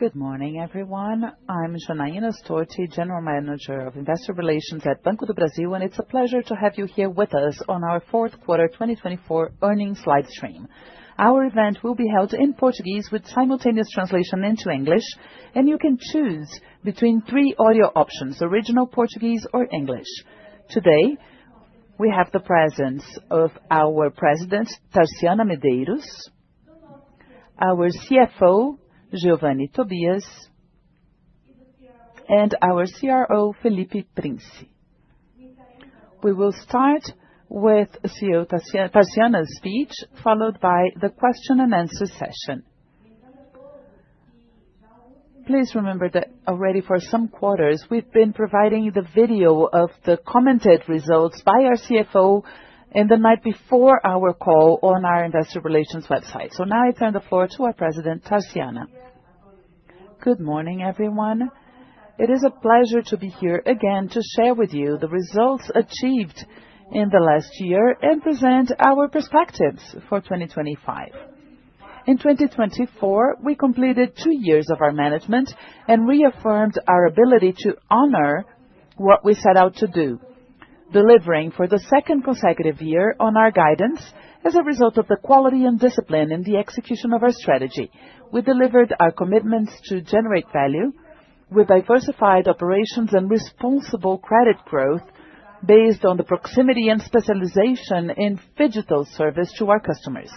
Good morning, everyone. I'm Janaína Storti, General Manager of Investor Relations at Banco do Brasil, and it's a pleasure to have you here with us on our fourth quarter 2024 earnings livestream. Our event will be held in Portuguese with simultaneous translation into English, and you can choose between three audio options: original Portuguese or English. Today, we have the presence of our President, Tarciana Medeiros, our CFO, Geovanne Tobias, and our CRO, Felipe Prince. We will start with CEO Tarciana's speech, followed by the question-and-answer session. Please remember that already for some quarters, we've been providing the video of the commented results by our CFO in the night before our call on our investor relations website. So now I turn the floor to our President, Tarciana. Good morning, everyone. It is a pleasure to be here again to share with you the results achieved in the last year and present our perspectives for 2025. In 2024, we completed two years of our management and reaffirmed our ability to honor what we set out to do, delivering for the second consecutive year on our guidance as a result of the quality and discipline in the execution of our strategy. We delivered our commitments to generate value with diversified operations and responsible credit growth based on the proximity and specialization in phygital service to our customers.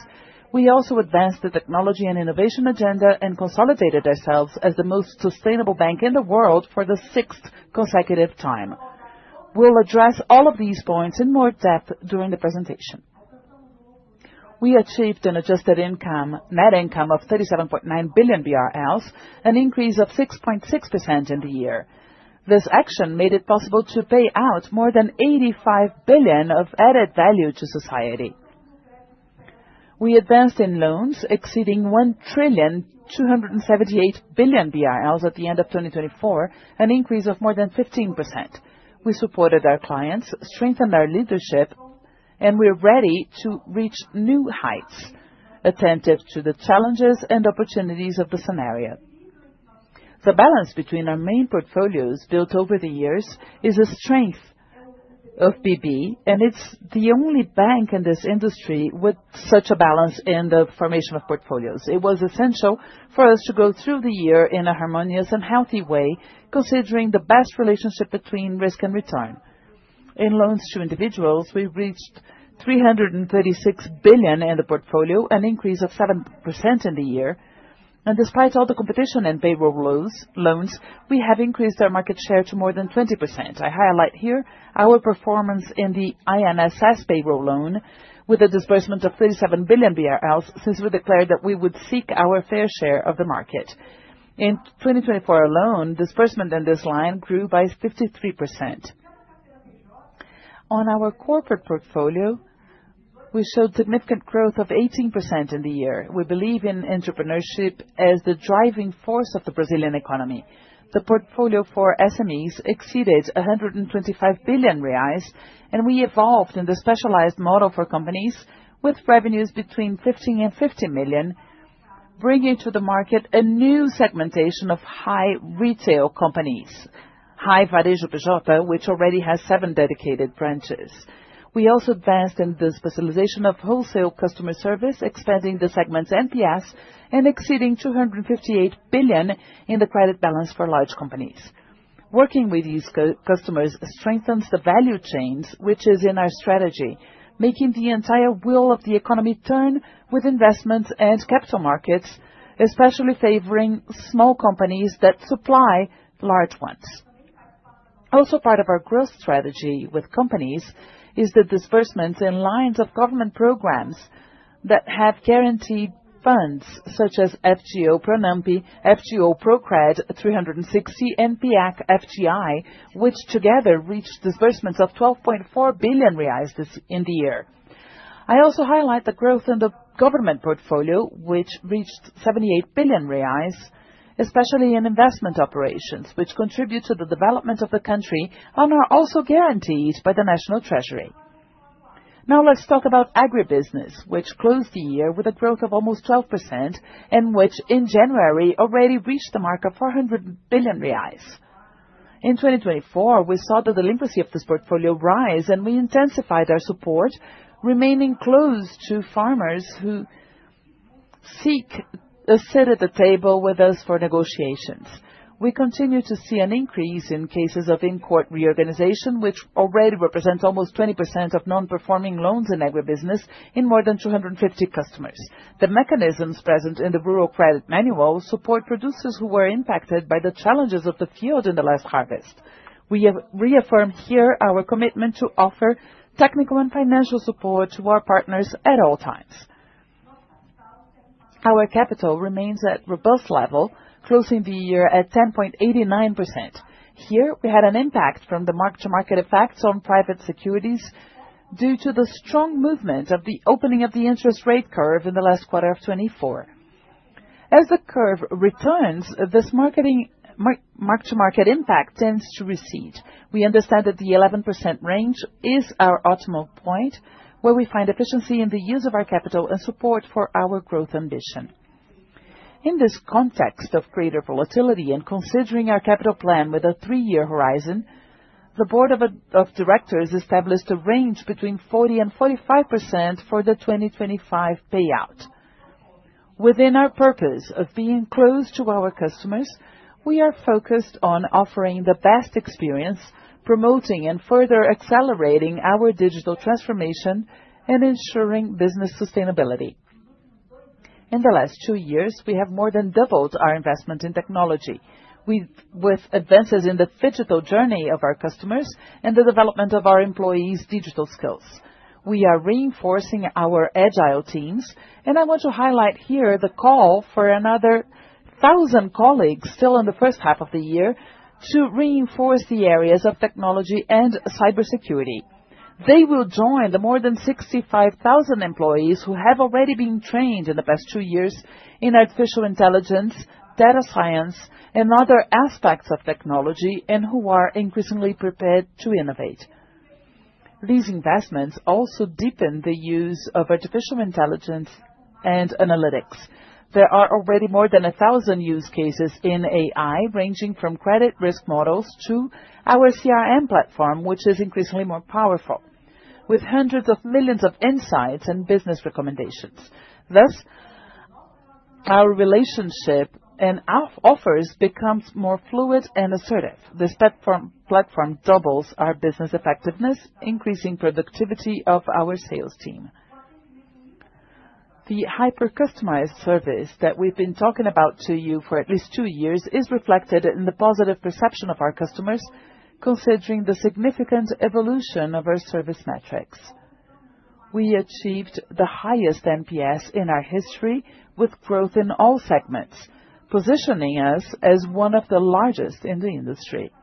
We also advanced the technology and innovation agenda and consolidated ourselves as the most sustainable bank in the world for the sixth consecutive time. We'll address all of these points in more depth during the presentation. We achieved an adjusted net income of 37.9 billion BRL, an increase of 6.6% in the year. This action made it possible to pay out more than 85 billion of added value to society. We advanced in loans exceeding 1 trillion-278 billion at the end of 2024, an increase of more than 15%. We supported our clients, strengthened our leadership, and we're ready to reach new heights, attentive to the challenges and opportunities of the scenario. The balance between our main portfolios built over the years is a strength of BB, and it's the only bank in this industry with such a balance in the formation of portfolios. It was essential for us to go through the year in a harmonious and healthy way, considering the best relationship between risk and return. In loans to individuals, we reached 336 billion in the portfolio, an increase of 7% in the year. Despite all the competition and payroll loans, we have increased our market share to more than 20%. I highlight here our performance in the INSS payroll loan with a disbursement of 37 billion BRL since we declared that we would seek our fair share of the market. In 2024 alone, disbursement in this line grew by 53%. On our corporate portfolio, we showed significant growth of 18% in the year. We believe in entrepreneurship as the driving force of the Brazilian economy. The portfolio for SMEs exceeded 125 billion reais, and we evolved in the specialized model for companies with revenues between 15 and 50 million, bringing to the market a new segmentation of high retail companies, High Varejo PJ, which already has seven dedicated branches. We also advanced in the specialization of wholesale customer service, expanding the segment's NPS and exceeding BRL 258 billion in the credit balance for large companies. Working with these customers strengthens the value chains, which is in our strategy, making the entire wheel of the economy turn with investments and capital markets, especially favoring small companies that supply large ones. Also part of our growth strategy with companies is the disbursement in lines of government programs that have guaranteed funds such as FGO ProCred 360 and PEAC FGI, which together reached disbursements of 12.4 billion reais in the year. I also highlight the growth in the government portfolio, which reached 78 billion reais, especially in investment operations, which contribute to the development of the country and are also guaranteed by the National Treasury. Now let's talk about agribusiness, which closed the year with a growth of almost 12%, and which in January already reached the mark of 400 billion reais. In 2024, we saw the delinquency of this portfolio rise, and we intensified our support, remaining close to farmers who seek a seat at the table with us for negotiations. We continue to see an increase in cases of in-court reorganization, which already represents almost 20% of non-performing loans in agribusiness in more than 250 customers. The mechanisms present in the Rural Credit Manual support producers who were impacted by the challenges of the field in the last harvest. We reaffirm here our commitment to offer technical and financial support to our partners at all times. Our capital remains at robust level, closing the year at 10.89%. Here, we had an impact from the mark-to-market effects on private securities due to the strong movement of the opening of the interest rate curve in the last quarter of 2024. As the curve returns, this mark-to-market impact tends to recede. We understand that the 11% range is our optimal point, where we find efficiency in the use of our capital and support for our growth ambition. In this context of greater volatility and considering our capital plan with a three-year horizon, the board of directors established a range between 40%-45% for the 2025 payout. Within our purpose of being close to our customers, we are focused on offering the best experience, promoting and further accelerating our digital transformation, and ensuring business sustainability. In the last two years, we have more than doubled our investment in technology, with advances in the phygital journey of our customers and the development of our employees' digital skills. We are reinforcing our agile teams, and I want to highlight here the call for another thousand colleagues still in the first half of the year to reinforce the areas of technology and cybersecurity. They will join the more than 65,000 employees who have already been trained in the past two years in artificial intelligence, data science, and other aspects of technology, and who are increasingly prepared to innovate. These investments also deepen the use of artificial intelligence and analytics. There are already more than 1,000 use cases in AI, ranging from credit risk models to our CRM platform, which is increasingly more powerful, with hundreds of millions of insights and business recommendations. Thus, our relationship and offers become more fluid and assertive. This platform doubles our business effectiveness, increasing the productivity of our sales team. The hyper-customized service that we've been talking about to you for at least two years is reflected in the positive perception of our customers, considering the significant evolution of our service metrics. We achieved the highest NPS in our history, with growth in all segments, positioning us as one of the largest in the industry.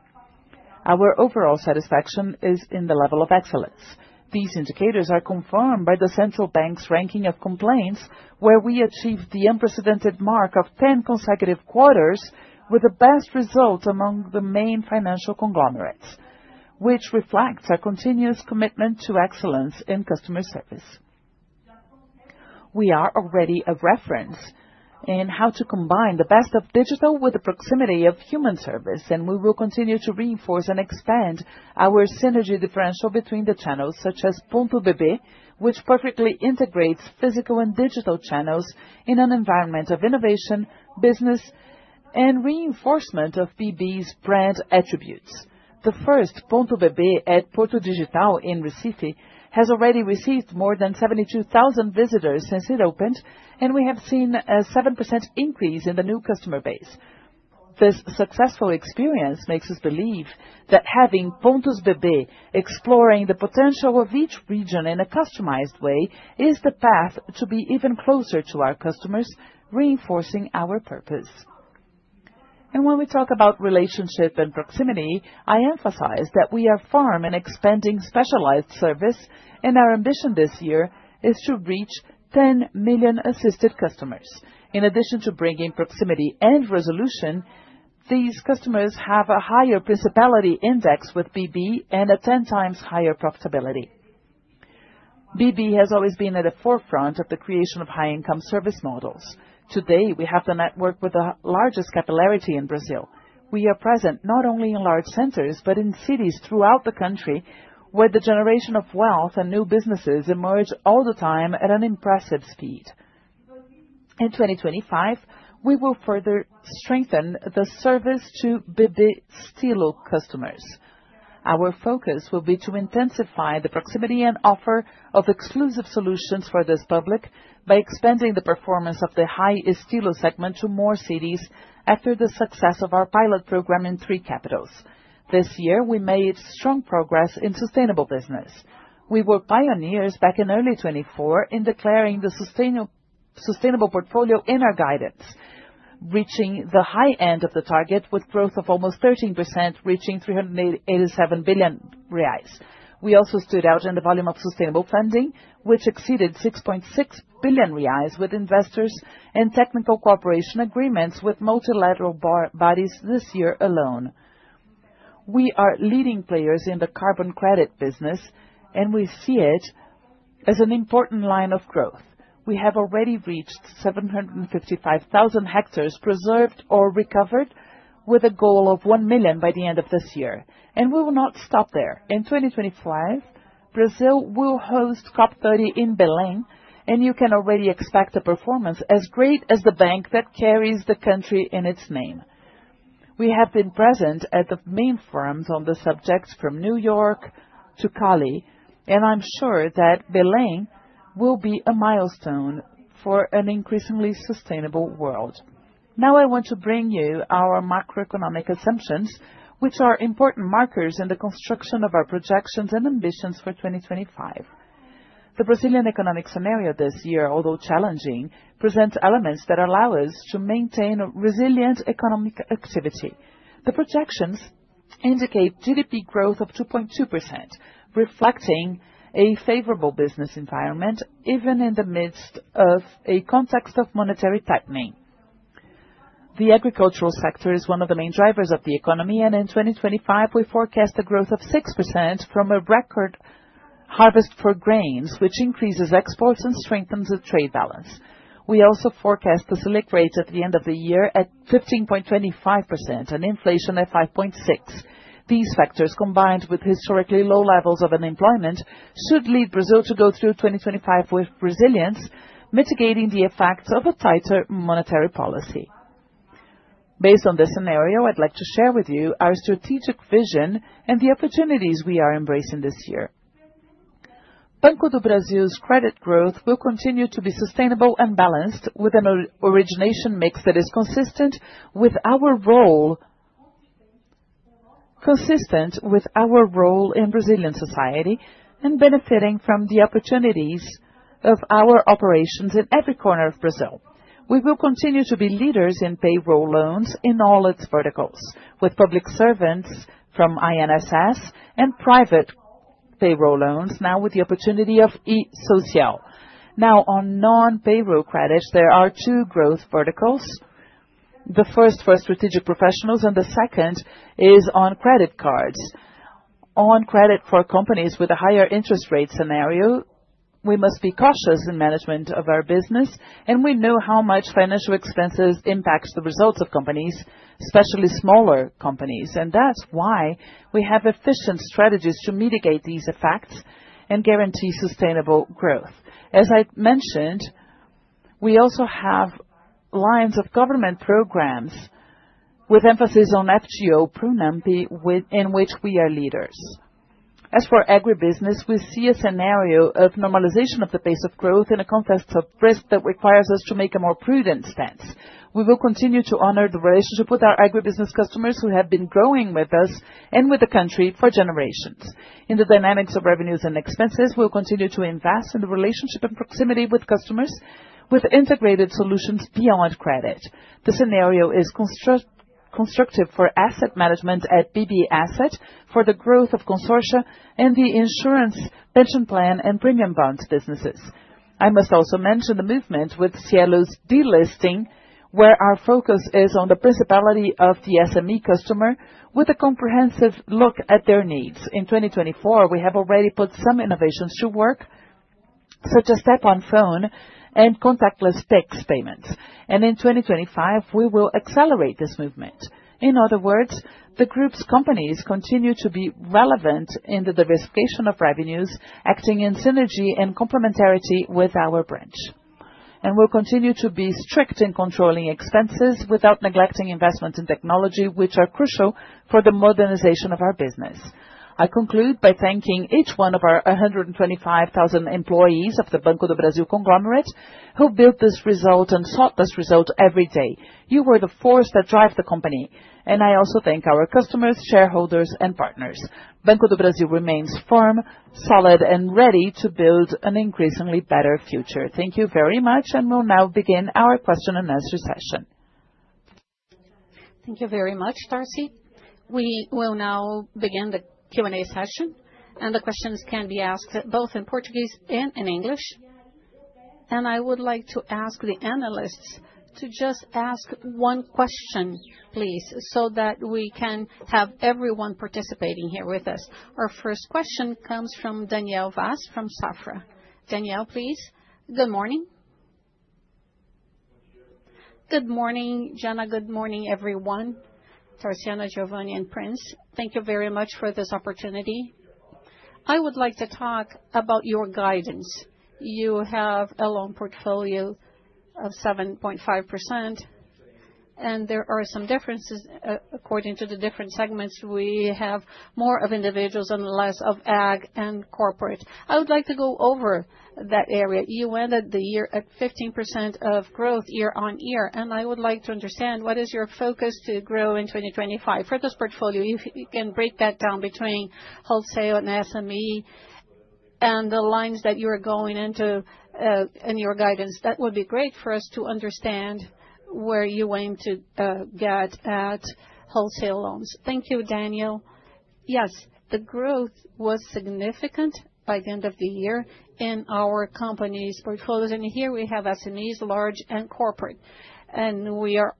Our overall satisfaction is in the level of excellence. These indicators are confirmed by the central bank's ranking of complaints, where we achieved the unprecedented mark of 10 consecutive quarters with the best result among the main financial conglomerates, which reflects our continuous commitment to excellence in customer service. We are already a reference in how to combine the best of digital with the proximity of human service, and we will continue to reinforce and expand our synergy differential between the channels, such as Ponto BB, which perfectly integrates physical and digital channels in an environment of innovation, business, and reinforcement of BB's brand attributes. The first Ponto BB at Porto Digital in Recife has already received more than 72,000 visitors since it opened, and we have seen a 7% increase in the new customer base. This successful experience makes us believe that having Pontos BB, exploring the potential of each region in a customized way, is the path to be even closer to our customers, reinforcing our purpose, and when we talk about relationship and proximity, I emphasize that we are firm in expanding specialized service, and our ambition this year is to reach 10 million assisted customers. In addition to bringing proximity and resolution, these customers have a higher propensity index with BB and a 10 times higher profitability. BB has always been at the forefront of the creation of high-income service models. Today, we have the network with the largest capillarity in Brazil. We are present not only in large centers, but in cities throughout the country, where the generation of wealth and new businesses emerge all the time at an impressive speed. In 2025, we will further strengthen the service to BB Estilo customers. Our focus will be to intensify the proximity and offer of exclusive solutions for this public by expanding the performance of the High Estilo segment to more cities after the success of our pilot program in three capitals. This year, we made strong progress in sustainable business. We were pioneers back in early 2024 in declaring the sustainable portfolio in our guidance, reaching the high end of the target with growth of almost 13%, reaching 387 billion reais. We also stood out in the volume of sustainable funding, which exceeded 6.6 billion reais with investors and technical cooperation agreements with multilateral bodies this year alone. We are leading players in the carbon credit business, and we see it as an important line of growth. We have already reached 755,000 hectares preserved or recovered, with a goal of 1 million by the end of this year. And we will not stop there. In 2025, Brazil will host COP30 in Belém, and you can already expect a performance as great as the bank that carries the country in its name. We have been present at the main forums on the subject from New York to Cali, and I'm sure that Belém will be a milestone for an increasingly sustainable world. Now I want to bring you our macroeconomic assumptions, which are important markers in the construction of our projections and ambitions for 2025. The Brazilian economic scenario this year, although challenging, presents elements that allow us to maintain resilient economic activity. The projections indicate GDP growth of 2.2%, reflecting a favorable business environment, even in the midst of a context of monetary tightening. The agricultural sector is one of the main drivers of the economy, and in 2025, we forecast a growth of 6% from a record harvest for grains, which increases exports and strengthens the trade balance. We also forecast a Selic rate at the end of the year at 15.25% and inflation at 5.6%. These factors, combined with historically low levels of unemployment, should lead Brazil to go through 2025 with resilience, mitigating the effects of a tighter monetary policy. Based on this scenario, I'd like to share with you our strategic vision and the opportunities we are embracing this year. Banco do Brasil's credit growth will continue to be sustainable and balanced, with an origination mix that is consistent with our role in Brazilian society and benefiting from the opportunities of our operations in every corner of Brazil. We will continue to be leaders in payroll loans in all its verticals, with public servants from INSS and private payroll loans, now with the opportunity of eSocial. Now, on non-payroll credits, there are two growth verticals. The first for strategic professionals, and the second is on credit cards. On credit for companies with a higher interest rate scenario, we must be cautious in management of our business, and we know how much financial expenses impact the results of companies, especially smaller companies, and that's why we have efficient strategies to mitigate these effects and guarantee sustainable growth. As I mentioned, we also have lines of government programs with emphasis on FGO ProCred, in which we are leaders. As for agribusiness, we see a scenario of normalization of the pace of growth in a context of risk that requires us to make a more prudent stance. We will continue to honor the relationship with our agribusiness customers who have been growing with us and with the country for generations. In the dynamics of revenues and expenses, we will continue to invest in the relationship and proximity with customers, with integrated solutions beyond credit. The scenario is constructive for asset management at BB Asset for the growth of consortia and the insurance pension plan and premium bonds businesses. I must also mention the movement with Cielo's delisting, where our focus is on the principality of the SME customer, with a comprehensive look at their needs. In 2024, we have already put some innovations to work, such as Tap on Phone and contactless tax payments, and in 2025, we will accelerate this movement. In other words, the group's companies continue to be relevant in the diversification of revenues, acting in synergy and complementarity with our branch, and we'll continue to be strict in controlling expenses without neglecting investments in technology, which are crucial for the modernization of our business. I conclude by thanking each one of our 125,000 employees of the Banco do Brasil Conglomerate, who built this result and sought this result every day. You were the force that drives the company. And I also thank our customers, shareholders, and partners. Banco do Brasil remains firm, solid, and ready to build an increasingly better future. Thank you very much, and we'll now begin our question and answer session. Thank you very much, Tarci. We will now begin the Q&A session, and the questions can be asked both in Portuguese and in English. And I would like to ask the analysts to just ask one question, please, so that we can have everyone participating here with us. Our first question comes from Daniel Vaz from Banco Safra. Daniel, please. Good morning. Good morning, Jana. Good morning, everyone. Tarciana, Geovanne and Prince, thank you very much for this opportunity. I would like to talk about your guidance. You have a loan portfolio of 7.5%, and there are some differences according to the different segments. We have more of individuals and less of ag and corporate. I would like to go over that area. You ended the year at 15% of growth year on year, and I would like to understand what is your focus to grow in 2025 for this portfolio. If you can break that down between wholesale and SME and the lines that you are going into in your guidance, that would be great for us to understand where you aim to get at wholesale loans. Thank you, Daniel. Yes, the growth was significant by the end of the year in our corporate portfolios, and here we have SMEs, large, and corporate, and we are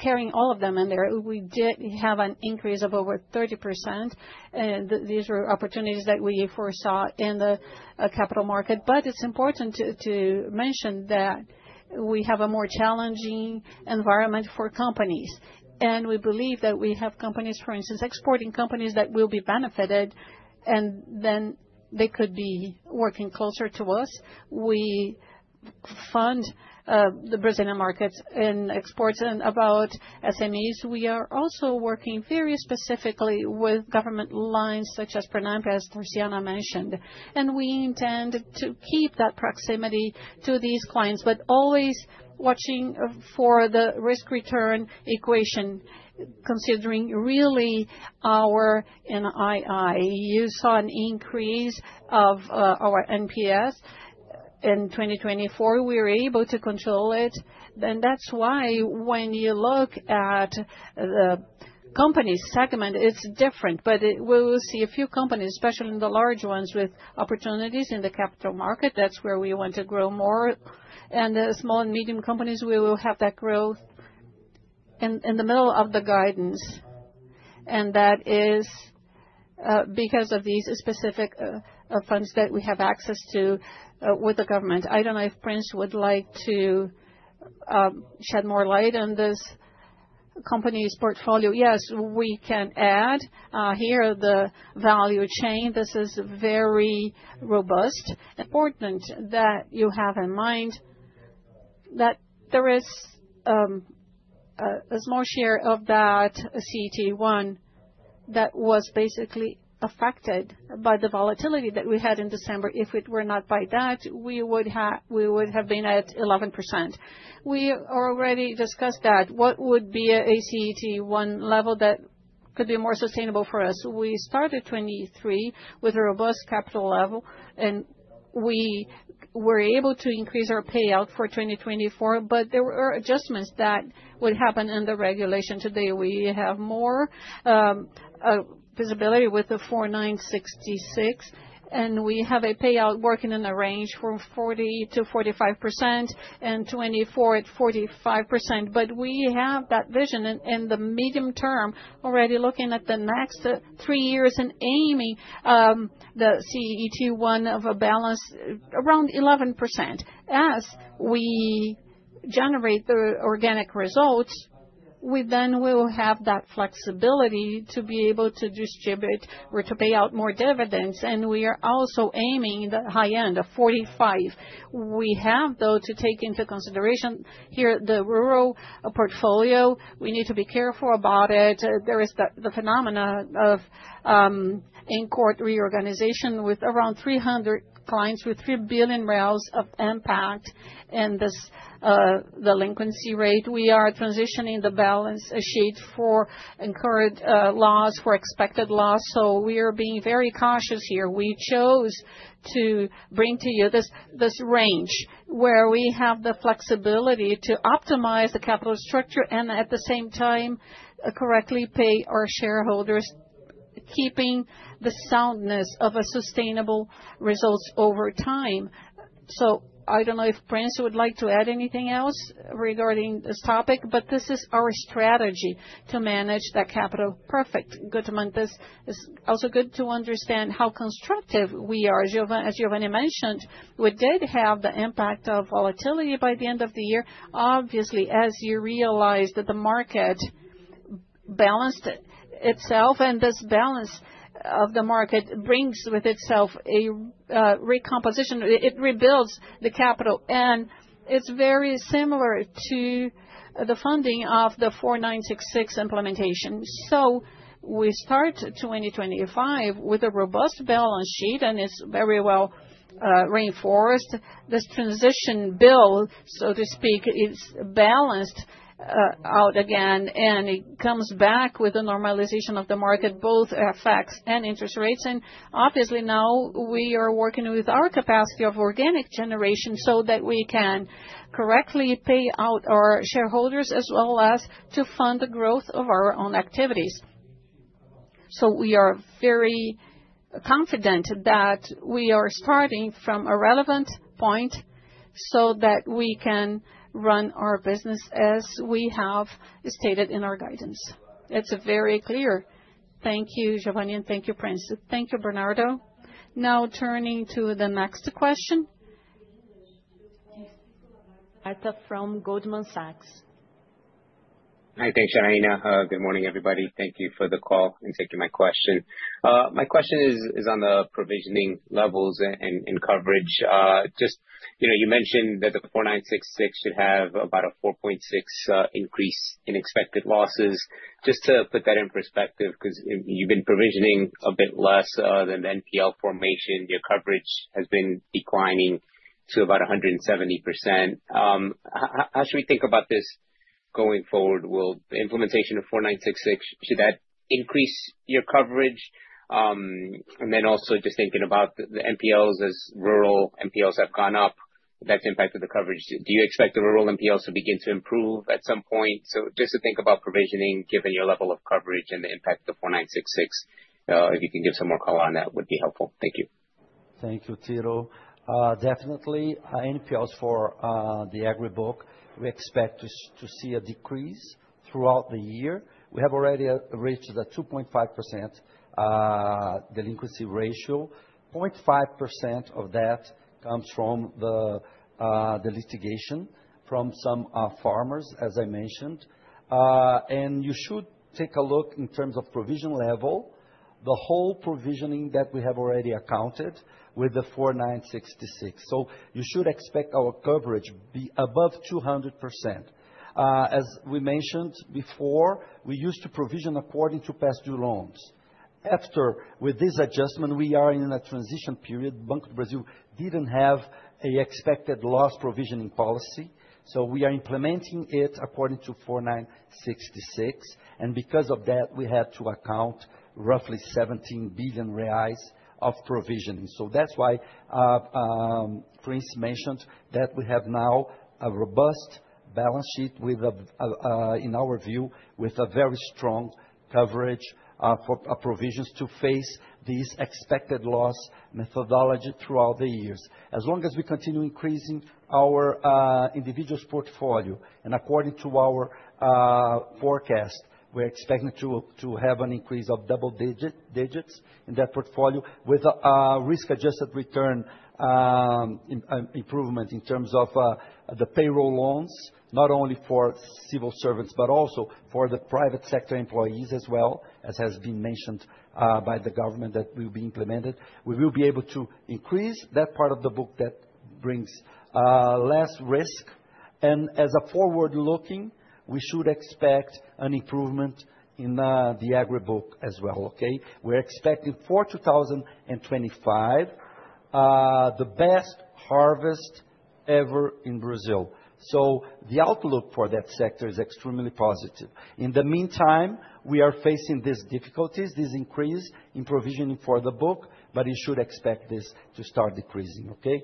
carrying all of them in there. We did have an increase of over 30%, and these were opportunities that we foresaw in the capital market. But it's important to mention that we have a more challenging environment for companies, and we believe that we have companies, for instance, exporting companies that will be benefited, and then they could be working closer to us. We fund the Brazilian markets in exports and about SMEs. We are also working very specifically with government lines, such as Pronampe, as Tarciana mentioned, and we intend to keep that proximity to these clients, but always watching for the risk-return equation, considering really our NII. You saw an increase of our NPS in 2024. We were able to control it, and that's why when you look at the company segment, it's different, but we will see a few companies, especially in the large ones, with opportunities in the capital market. That's where we want to grow more, and the small and medium companies, we will have that growth in the middle of the guidance, and that is because of these specific funds that we have access to with the government. I don't know if Prince would like to shed more light on this company's portfolio. Yes, we can add here the value chain. This is very robust. Important that you have in mind that there is a small share of that CET1 that was basically affected by the volatility that we had in December. If it were not by that, we would have been at 11%. We already discussed that. What would be a CET1 level that could be more sustainable for us? We started 2023 with a robust capital level, and we were able to increase our payout for 2024, but there were adjustments that would happen in the regulation. Today, we have more visibility with the 4966, and we have a payout working in the range from 40%-45% and 2024 at 45%. But we have that vision in the medium term, already looking at the next three years and aiming the CET1 of a balance around 11%. As we generate the organic results, we then will have that flexibility to be able to distribute or to pay out more dividends, and we are also aiming the high end of 45%. We have, though, to take into consideration here the rural portfolio. We need to be careful about it. There is the phenomena of in-court reorganization with around 300 clients, with 3 billion of impact and the delinquency rate. We are transitioning the balance sheet for incurred loss, for expected loss, so we are being very cautious here. We chose to bring to you this range where we have the flexibility to optimize the capital structure and, at the same time, correctly pay our shareholders, keeping the soundness of sustainable results over time. So I don't know if Prince would like to add anything else regarding this topic, but this is our strategy to manage that capital. Perfect. Good to mention. It's also good to understand how constructive we are. As Geovanne mentioned, we did have the impact of volatility by the end of the year. Obviously, as you realized that the market balanced itself, and this balance of the market brings with itself a recomposition. It rebuilds the capital, and it's very similar to the funding of the 4966 implementation. So we start 2025 with a robust balance sheet, and it's very well reinforced. This transition bill, so to speak, is balanced out again, and it comes back with a normalization of the market, both effects and interest rates. And obviously, now we are working with our capacity of organic generation so that we can correctly pay out our shareholders as well as to fund the growth of our own activities. So we are very confident that we are starting from a relevant point so that we can run our business as we have stated in our guidance. It's very clear. Thank you, Geovanne, and thank you, Prince. Thank you, Bernardo. Now turning to the next question. Tito Labarta from Goldman Sachs. Hi, thanks, Janaína. Good morning, everybody. Thank you for the call and taking my question. My question is on the provisioning levels and coverage. Just, you mentioned that the 4966 should have about a 4.6% increase in expected losses. Just to put that in perspective, because you've been provisioning a bit less than the NPL formation, your coverage has been declining to about 170%. How should we think about this going forward? Will the implementation of 4966, should that increase your coverage? And then also just thinking about the NPLs as rural NPLs have gone up, that's impacted the coverage. Do you expect the rural NPLs to begin to improve at some point? So just to think about provisioning, given your level of coverage and the impact of 4966, if you can give some more color on that, would be helpful. Thank you. Thank you, Tito. Definitely, NPLs for the agribusiness, we expect to see a decrease throughout the year. We have already reached the 2.5% delinquency ratio. 0.5% of that comes from the litigation from some farmers, as I mentioned, and you should take a look in terms of provision level, the whole provisioning that we have already accounted with the 4966, so you should expect our coverage to be above 200%. As we mentioned before, we used to provision according to past due loans. After with this adjustment, we are in a transition period. Banco do Brasil didn't have an expected loss provisioning policy, so we are implementing it according to 4966, and because of that, we had to account roughly 17 billion reais of provisioning. That's why Prince mentioned that we have now a robust balance sheet with, in our view, with a very strong coverage for provisions to face these expected loss methodology throughout the years. As long as we continue increasing our individual portfolio, and according to our forecast, we're expecting to have an increase of double digits in that portfolio with a risk-adjusted return improvement in terms of the payroll loans, not only for civil servants, but also for the private sector employees as well, as has been mentioned by the government that will be implemented. We will be able to increase that part of the book that brings less risk, and as a forward-looking, we should expect an improvement in the agribusiness as well. Okay? We're expecting for 2025 the best harvest ever in Brazil, so the outlook for that sector is extremely positive. In the meantime, we are facing these difficulties, this increase in provisioning for the book, but you should expect this to start decreasing. Okay?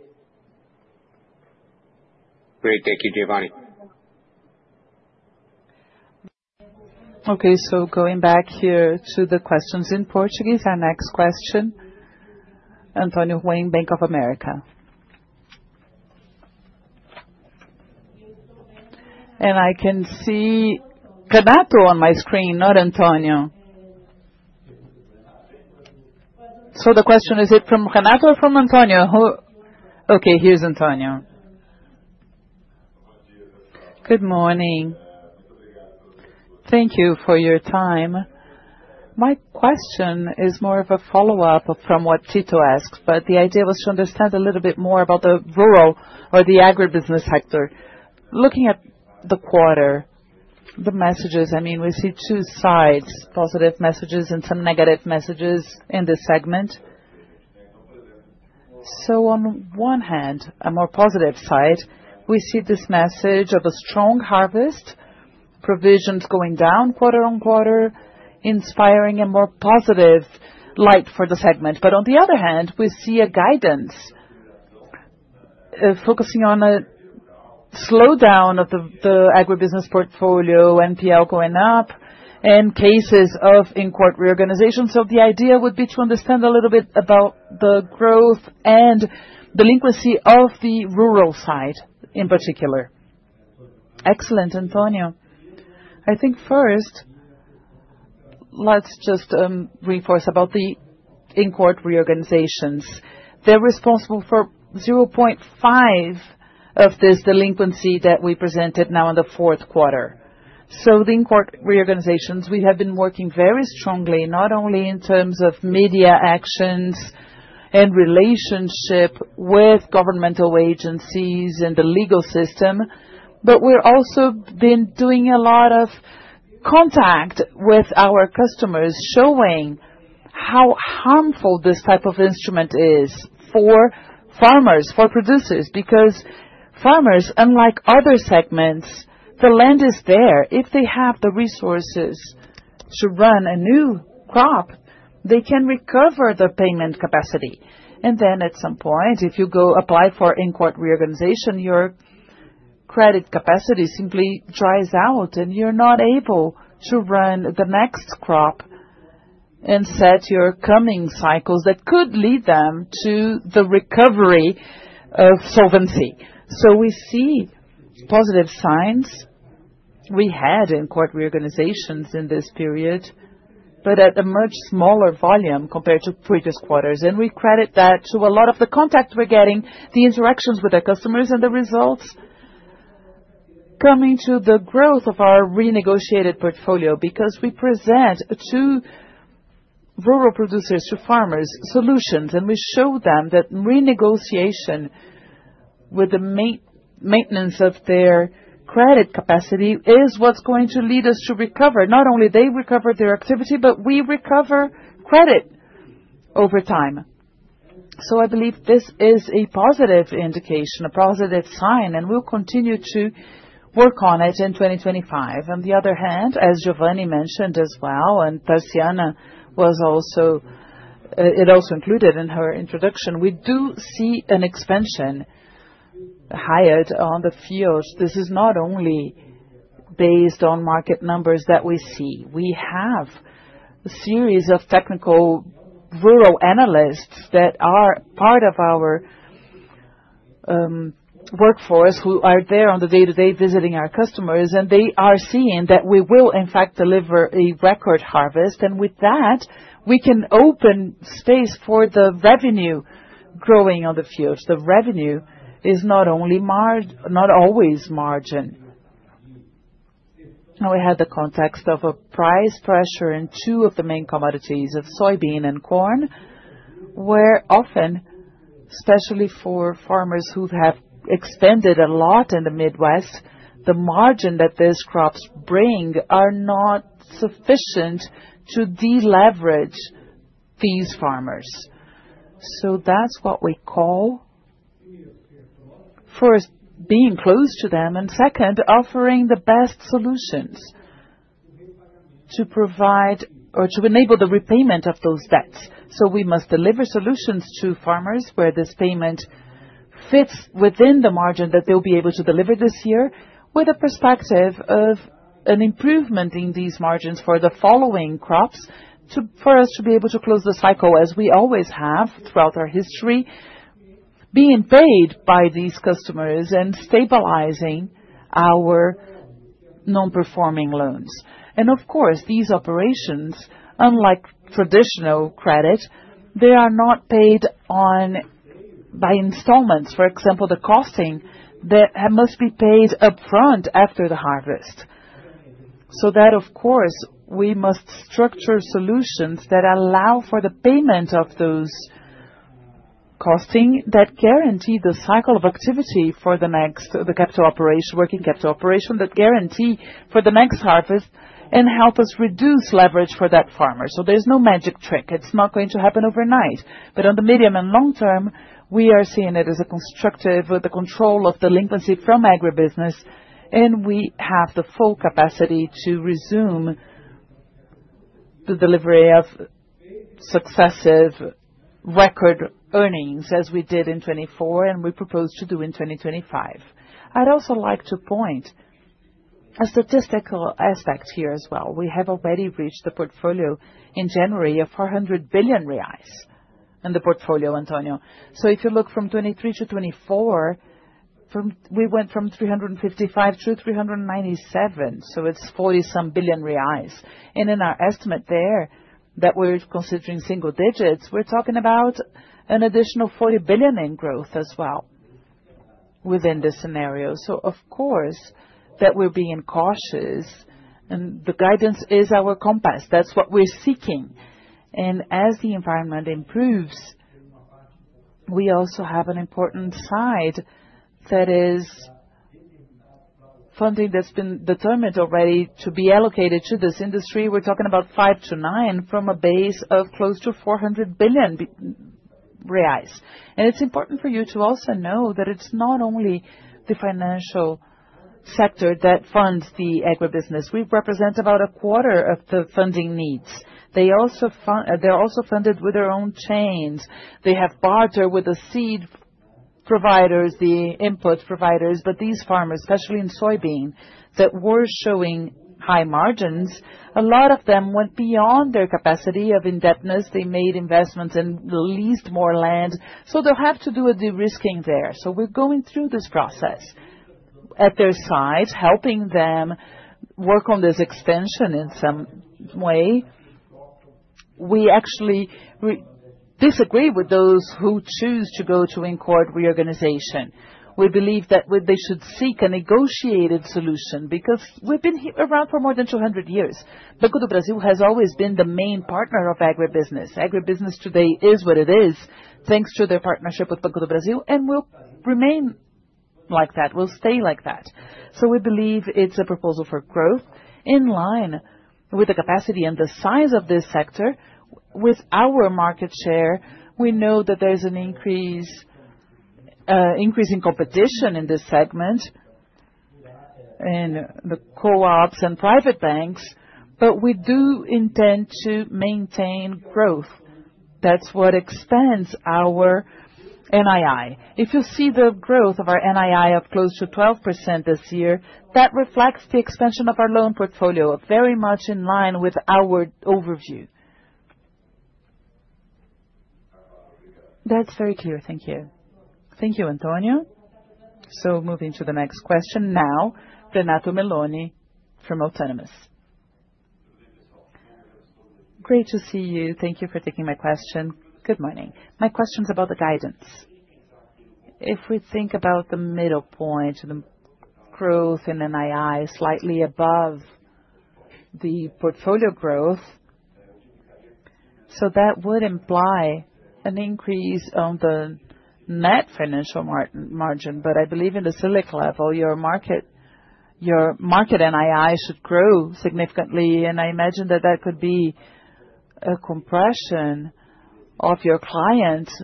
Great. Thank you, Geovanne. Okay, so going back here to the questions in Portuguese, our next question, Antonio Heluany, Bank of America. I can see Renato on my screen, not Antonio. So the question, is it from Renato or from Antonio? Okay, here's Antonio. Good morning. Thank you for your time. My question is more of a follow-up from what Tito asked, but the idea was to understand a little bit more about the rural or the agribusiness sector. Looking at the quarter, the messages, I mean, we see two sides, positive messages and some negative messages in this segment. So on one hand, a more positive side, we see this message of a strong harvest, provisions going down, quarter on quarter, inspiring a more positive light for the segment. But on the other hand, we see a guidance focusing on a slowdown of the agribusiness portfolio, NPL going up, and cases of in-court reorganization. So the idea would be to understand a little bit about the growth and delinquency of the rural side in particular. Excellent, Antonio. I think first, let's just reinforce about the in-court reorganizations. They're responsible for 0.5% of this delinquency that we presented now in the fourth quarter. So the in-court reorganizations, we have been working very strongly, not only in terms of media actions and relationship with governmental agencies and the legal system, but we're also been doing a lot of contact with our customers, showing how harmful this type of instrument is for farmers, for producers, because farmers, unlike other segments, the land is there. If they have the resources to run a new crop, they can recover the payment capacity. And then at some point, if you go apply for in-court reorganization, your credit capacity simply dries out, and you're not able to run the next crop and set your coming cycles that could lead them to the recovery of solvency. So we see positive signs. We had in-court reorganizations in this period, but at a much smaller volume compared to previous quarters. And we credit that to a lot of the contact we're getting, the interactions with our customers, and the results coming to the growth of our renegotiated portfolio because we present to rural producers, to farmers, solutions, and we show them that renegotiation with the maintenance of their credit capacity is what's going to lead us to recover. Not only they recover their activity, but we recover credit over time. I believe this is a positive indication, a positive sign, and we'll continue to work on it in 2025. On the other hand, as Geovanne mentioned as well, and Tarciana was also, it also included in her introduction, we do see an expansion higher on the field. This is not only based on market numbers that we see. We have a series of technical rural analysts that are part of our workforce who are there on the day-to-day visiting our customers, and they are seeing that we will, in fact, deliver a record harvest. With that, we can open space for the revenue growing on the fields. The revenue is not only margin, not always margin. Now we had the context of a price pressure in two of the main commodities of soybean and corn, where often, especially for farmers who have expanded a lot in the Midwest, the margin that these crops bring are not sufficient to deleverage these farmers. So that's what we call first, being close to them, and second, offering the best solutions to provide or to enable the repayment of those debts. So we must deliver solutions to farmers where this payment fits within the margin that they'll be able to deliver this year with a perspective of an improvement in these margins for the following crops for us to be able to close the cycle, as we always have throughout our history, being paid by these customers and stabilizing our non-performing loans, and of course, these operations, unlike traditional credit, they are not paid by installments. For example, the costing that must be paid upfront after the harvest. So that, of course, we must structure solutions that allow for the payment of those costing that guarantee the cycle of activity for the next working capital operation that guarantee for the next harvest and help us reduce leverage for that farmer. So there's no magic trick. It's not going to happen overnight. But on the medium and long term, we are seeing it as a constructive with the control of delinquency from agribusiness, and we have the full capacity to resume the delivery of successive record earnings as we did in 2024 and we proposed to do in 2025. I'd also like to point a statistical aspect here as well. We have already reached the portfolio in January of 400 billion reais in the portfolio, Antonio. If you look from 2023 to 2024, we went from 355 to 397. So it's 40-some billion reais. And in our estimate there that we're considering single digits, we're talking about an additional 40 billion in growth as well within this scenario. So of course, that we're being cautious and the guidance is our compass. That's what we're seeking. And as the environment improves, we also have an important side that is funding that's been determined already to be allocated to this industry. We're talking about five to nine from a base of close to 400 billion reais. And it's important for you to also know that it's not only the financial sector that funds the agribusiness. We represent about a quarter of the funding needs. They're also funded with their own chains. They have barter with the seed providers, the input providers. But these farmers, especially in soybean, that were showing high margins, a lot of them went beyond their capacity of indebtedness. They made investments and leased more land. So they'll have to do a de-risking there. So we're going through this process at their side, helping them work on this extension in some way. We actually disagree with those who choose to go to in-court reorganization. We believe that they should seek a negotiated solution because we've been around for more than 200 years. Banco do Brasil has always been the main partner of agribusiness. Agribusiness today is what it is, thanks to their partnership with Banco do Brasil, and we'll remain like that. We'll stay like that. So we believe it's a proposal for growth in line with the capacity and the size of this sector with our market share. We know that there's an increase in competition in this segment and the co-ops and private banks, but we do intend to maintain growth. That's what expands our NII. If you see the growth of our NII of close to 12% this year, that reflects the expansion of our loan portfolio, very much in line with our overview. That's very clear. Thank you. Thank you, Antonio. So moving to the next question now, Renato Meloni from Autonomous. Great to see you. Thank you for taking my question. Good morning. My question's about the guidance. If we think about the middle point, the growth in NII slightly above the portfolio growth, so that would imply an increase on the net financial margin, but I believe in the Selic level, your market NII should grow significantly. And I imagine that that could be a compression of your client's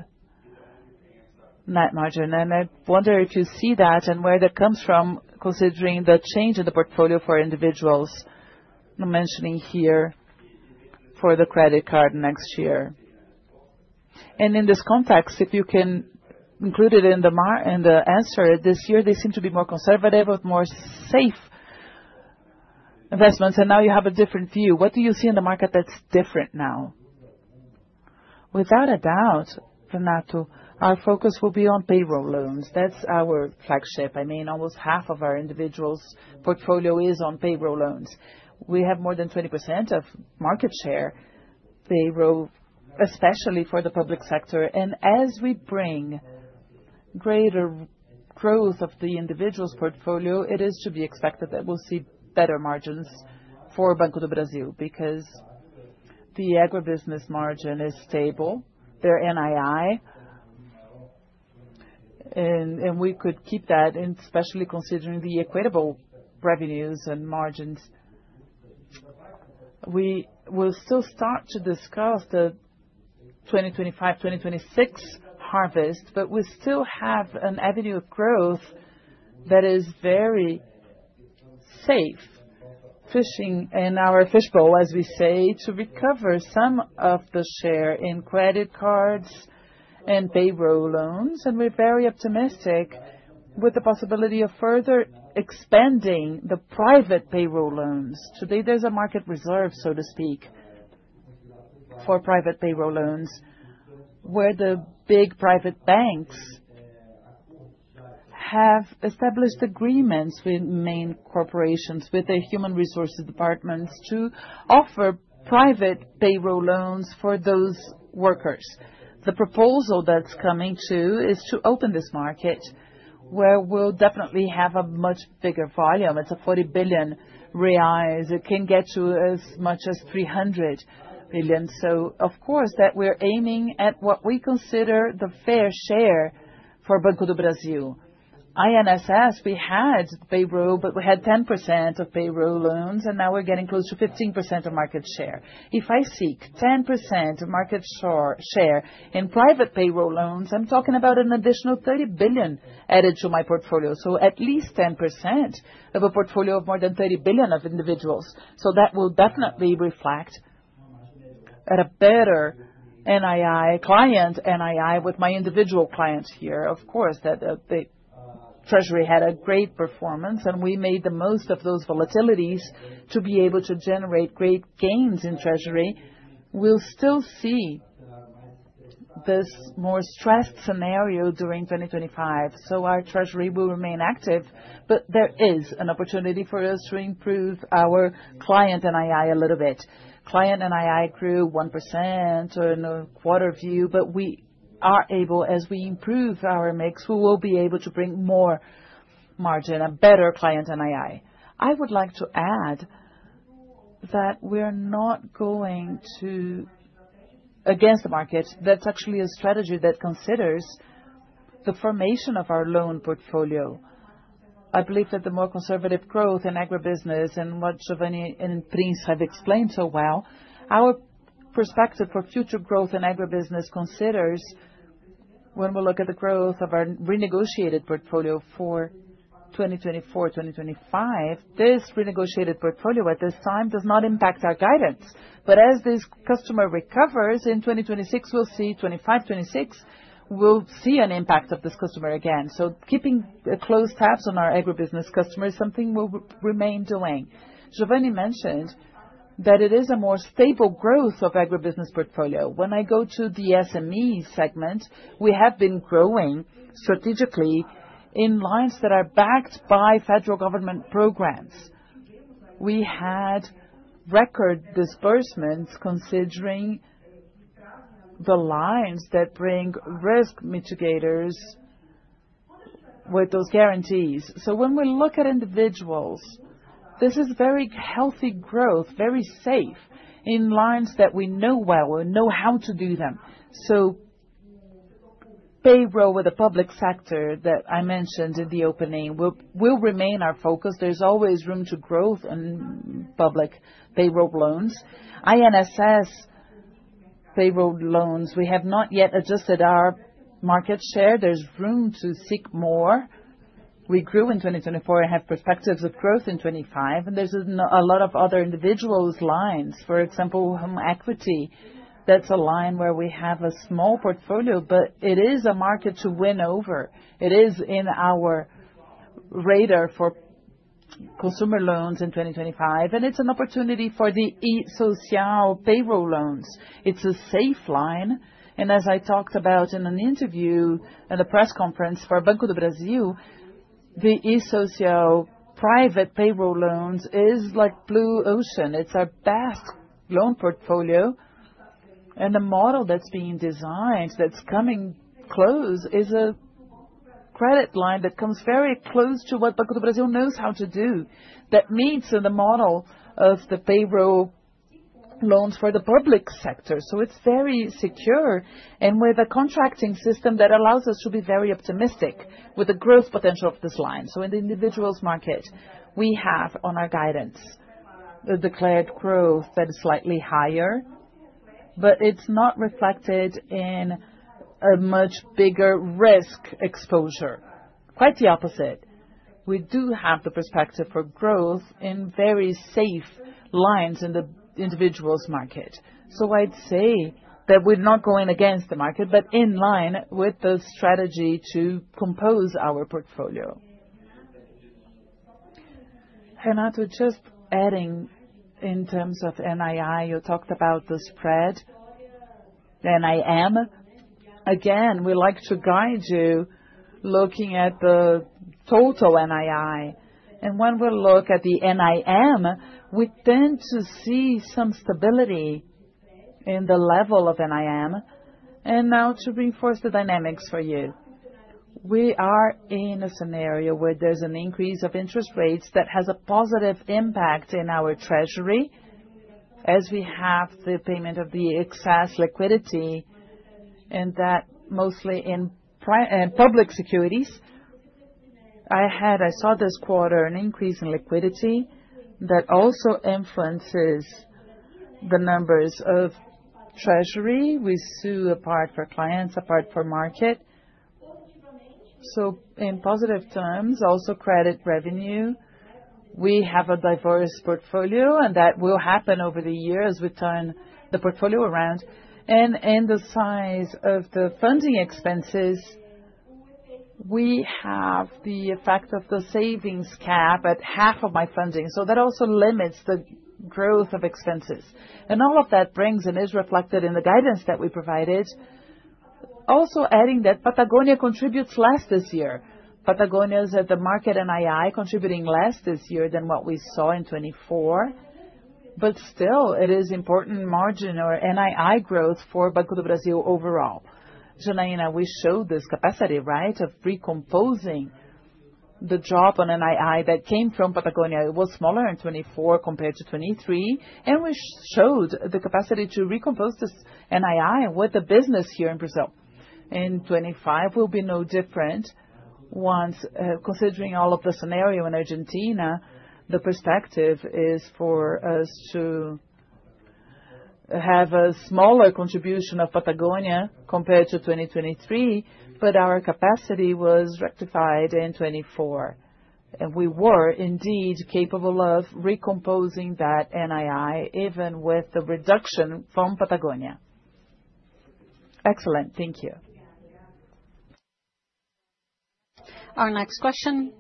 net margin. I wonder if you see that and where that comes from, considering the change in the portfolio for individuals I'm mentioning here for the credit card next year. In this context, if you can include it in the answer, this year they seem to be more conservative with more safe investments. Now you have a different view. What do you see in the market that's different now? Without a doubt, Renato, our focus will be on payroll loans. That's our flagship. I mean, almost half of our individuals' portfolio is on payroll loans. We have more than 20% of market share payroll, especially for the public sector. And as we bring greater growth of the individuals' portfolio, it is to be expected that we'll see better margins for Banco do Brasil because the agribusiness margin is stable, their NII, and we could keep that, especially considering the equitable revenues and margins. We will still start to discuss the 2025, 2026 harvest, but we still have an avenue of growth that is very safe, fishing in our fishbowl, as we say, to recover some of the share in credit cards and payroll loans. And we're very optimistic with the possibility of further expanding the private payroll loans. Today, there's a market reserve, so to speak, for private payroll loans where the big private banks have established agreements with main corporations, with their human resources departments to offer private payroll loans for those workers. The proposal that's coming too is to open this market where we'll definitely have a much bigger volume. It's 40 billion reais. It can get to as much as 300 billion, so of course that we're aiming at what we consider the fair share for Banco do Brasil. INSS, we had payroll, but we had 10% of payroll loans, and now we're getting close to 15% of market share. If I seek 10% of market share in private payroll loans, I'm talking about an additional 30 billion added to my portfolio, so at least 10% of a portfolio of more than 30 billion of individuals, so that will definitely reflect at a better NII client NII with my individual clients here, of course the Treasury had a great performance, and we made the most of those volatilities to be able to generate great gains in Treasury. We'll still see this more stressed scenario during 2025, so our Treasury will remain active, but there is an opportunity for us to improve our client NII a little bit. Client NII grew 1% in a quarter view, but we are able, as we improve our mix, we will be able to bring more margin, a better client NII. I would like to add that we're not going against the market. That's actually a strategy that considers the formation of our loan portfolio. I believe that the more conservative growth in agribusiness, and what Geovanne and Prince have explained so well, our perspective for future growth in agribusiness considers when we look at the growth of our renegotiated portfolio for 2024, 2025. This renegotiated portfolio at this time does not impact our guidance. But as this customer recovers in 2026, we'll see 2025, 2026, we'll see an impact of this customer again. So keeping a close tabs on our agribusiness customer is something we'll remain doing. Geovanne mentioned that it is a more stable growth of agribusiness portfolio. When I go to the SME segment, we have been growing strategically in lines that are backed by federal government programs. We had record disbursements considering the lines that bring risk mitigators with those guarantees. So when we look at individuals, this is very healthy growth, very safe in lines that we know well. We know how to do them. So payroll with the public sector that I mentioned in the opening will remain our focus. There's always room to growth in public payroll loans. INSS payroll loans, we have not yet adjusted our market share. There's room to seek more. We grew in 2024 and have perspectives of growth in 2025. There's a lot of other individuals' lines. For example, home equity, that's a line where we have a small portfolio, but it is a market to win over. It is in our radar for consumer loans in 2025, and it's an opportunity for the eSocial payroll loans. It's a safe line. As I talked about in an interview and a press conference for Banco do Brasil, the eSocial private payroll loans is like Blue Ocean. It's our best loan portfolio. The model that's being designed that's coming close is a credit line that comes very close to what Banco do Brasil knows how to do that meets the model of the payroll loans for the public sector. So it's very secure and with a contracting system that allows us to be very optimistic with the growth potential of this line. So in the individuals' market, we have on our guidance the declared growth that is slightly higher, but it's not reflected in a much bigger risk exposure. Quite the opposite. We do have the perspective for growth in very safe lines in the individuals' market. So I'd say that we're not going against the market, but in line with the strategy to compose our portfolio. Renato, just adding in terms of NII, you talked about the spread, the NIM. Again, we like to guide you looking at the total NII. And when we look at the NIM, we tend to see some stability in the level of NIM. And now, to reinforce the dynamics for you, we are in a scenario where there's an increase of interest rates that has a positive impact in our Treasury as we have the payment of the excess liquidity and that mostly in public securities. In this quarter, an increase in liquidity that also influences the numbers of Treasury. We separate for clients, a part for market. So in positive terms, also credit revenue, we have a diverse portfolio, and that will happen over the year as we turn the portfolio around. And in the size of the funding expenses, we have the effect of the savings cap at half of our funding. So that also limits the growth of expenses. And all of that brings and is reflected in the guidance that we provided. Also adding that Patagonia contributes less this year. Patagonia is at the margin. NII contributing less this year than what we saw in 2024, but still, it is important margin or NII growth for Banco do Brasil overall. Janaína, we showed this capacity, right, of recomposing the drop on NII that came from Patagonia. It was smaller in 2024 compared to 2023, and we showed the capacity to recompose this NII with the business here in Brazil. In 2025, we'll be no different. Considering all of the scenario in Argentina, the perspective is for us to have a smaller contribution of Patagonia compared to 2023, but our capacity was rectified in 2024, and we were indeed capable of recomposing that NII even with the reduction from Patagonia. Excellent. Thank you. Our next question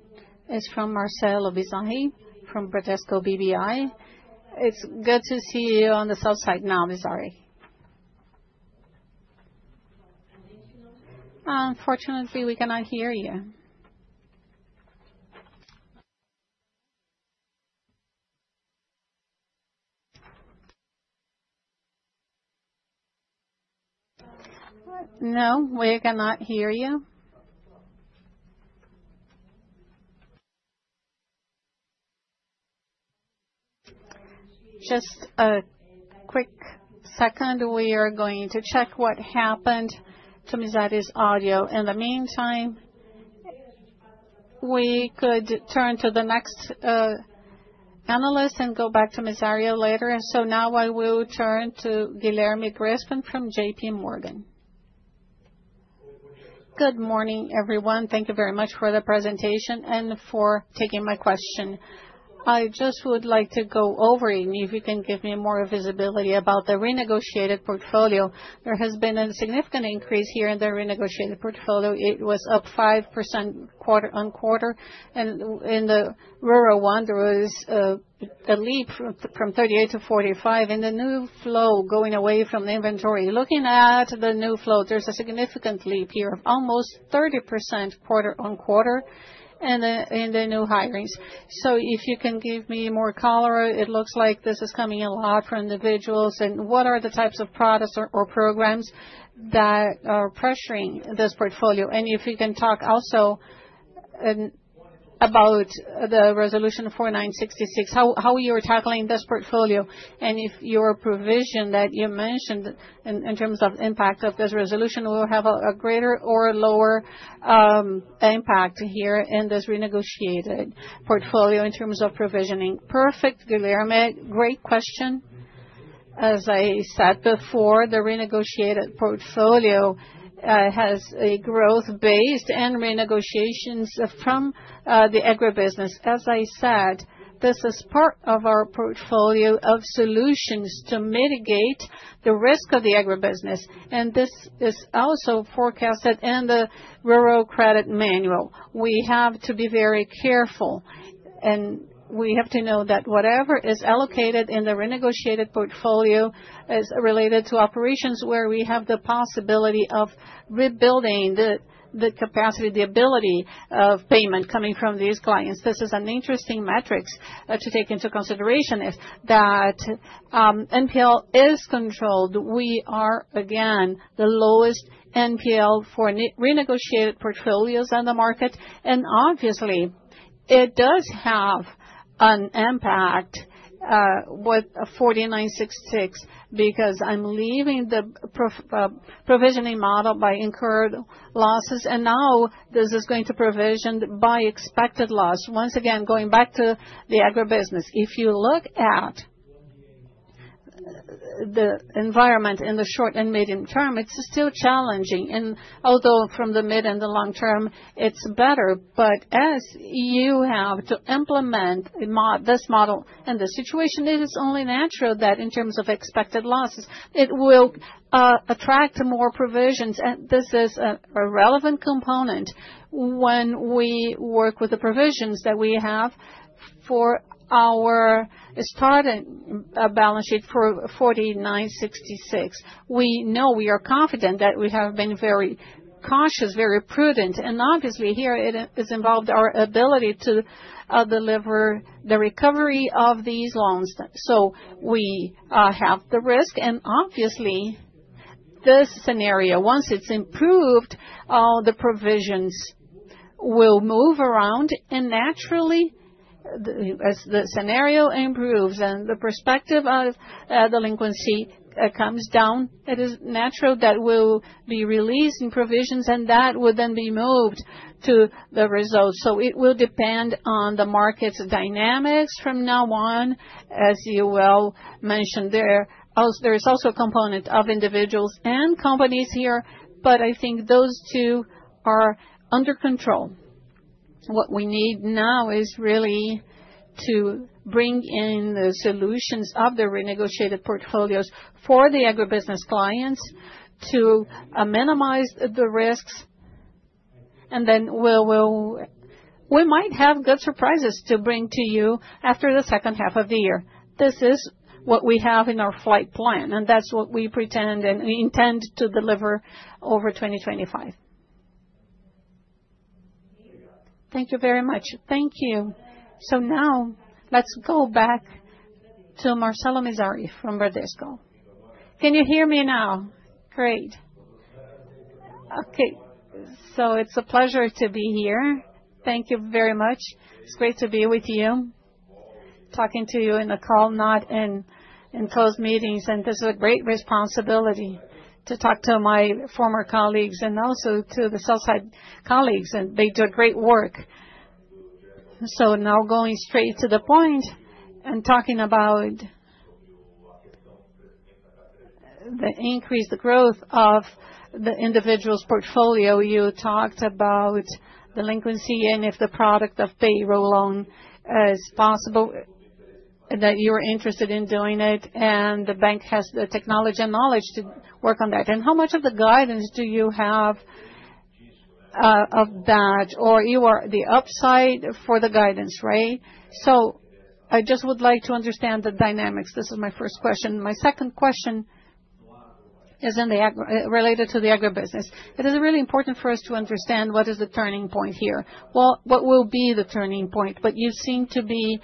is from Marcelo Mizari from Bradesco BBI. It's good to see you on the sell side now, Mizari. Unfortunately, we cannot hear you. No, we cannot hear you. Just a quick second. We are going to check what happened to Mizari's audio. In the meantime, we could turn to the next analyst and go back to Mizari later, so now I will turn to Guilherme Grespan from JPMorgan. Good morning, everyone. Thank you very much for the presentation and for taking my question. I just would like to go over it and if you can give me more visibility about the renegotiated portfolio. There has been a significant increase here in the renegotiated portfolio. It was up 5% quarter on quarter, and in the rural one, there was a leap from 38 to 45, and the new flow going away from the inventory. Looking at the new flow, there's a significant leap here of almost 30% quarter on quarter in the new hirings. So if you can give me more color, it looks like this is coming a lot for individuals, and what are the types of products or programs that are pressuring this portfolio, and if you can talk also about the Resolution 4966, how you're tackling this portfolio and if your provision that you mentioned in terms of impact of this resolution will have a greater or lower impact here in this renegotiated portfolio in terms of provisioning. Perfect, Guilherme. Great question. As I said before, the renegotiated portfolio has a growth-based and renegotiations from the agribusiness. As I said, this is part of our portfolio of solutions to mitigate the risk of the agribusiness, and this is also forecasted in the rural credit manual. We have to be very careful, and we have to know that whatever is allocated in the renegotiated portfolio is related to operations where we have the possibility of rebuilding the capacity, the ability of payment coming from these clients. This is an interesting matrix to take into consideration. That NPL is controlled. We are, again, the lowest NPL for renegotiated portfolios on the market, and obviously, it does have an impact with 4966 because I'm leaving the provisioning model by incurred losses, and now this is going to provision by expected loss. Once again, going back to the agribusiness, if you look at the environment in the short and medium term, it's still challenging. Although from the mid and the long term, it's better, but as you have to implement this model in the situation, it is only natural that in terms of expected losses, it will attract more provisions. And this is a relevant component when we work with the provisions that we have for our starting balance sheet for 4966. We know we are confident that we have been very cautious, very prudent. And obviously, here it is involved our ability to deliver the recovery of these loans. So we have the risk. And obviously, this scenario, once it's improved, the provisions will move around. And naturally, as the scenario improves and the perspective of delinquency comes down, it is natural that we'll be released in provisions, and that will then be moved to the results. So it will depend on the market's dynamics from now on, as you will mention there. There is also a component of individuals and companies here, but I think those two are under control. What we need now is really to bring in the solutions of the renegotiated portfolios for the agribusiness clients to minimize the risks. And then we might have good surprises to bring to you after the second half of the year. This is what we have in our flight plan, and that's what we pretend and intend to deliver over 2025. Thank you very much. Thank you. So now let's go back to Marcelo Mizari from Bradesco BBI. Can you hear me now? Great. Okay. So it's a pleasure to be here. Thank you very much. It's great to be with you, talking to you in the call, not in closed meetings. And this is a great responsibility to talk to my former colleagues and also to the South Side colleagues, and they do great work. So now going straight to the point and talking about the increased growth of the individual's portfolio. You talked about delinquency and if the product of payroll loan is possible, that you're interested in doing it, and the bank has the technology and knowledge to work on that. And how much of the guidance do you have of that, or you are the upside for the guidance, right? So I just would like to understand the dynamics. This is my first question. My second question is related to the agribusiness. It is really important for us to understand what is the turning point here. What will be the turning point? But you seem to be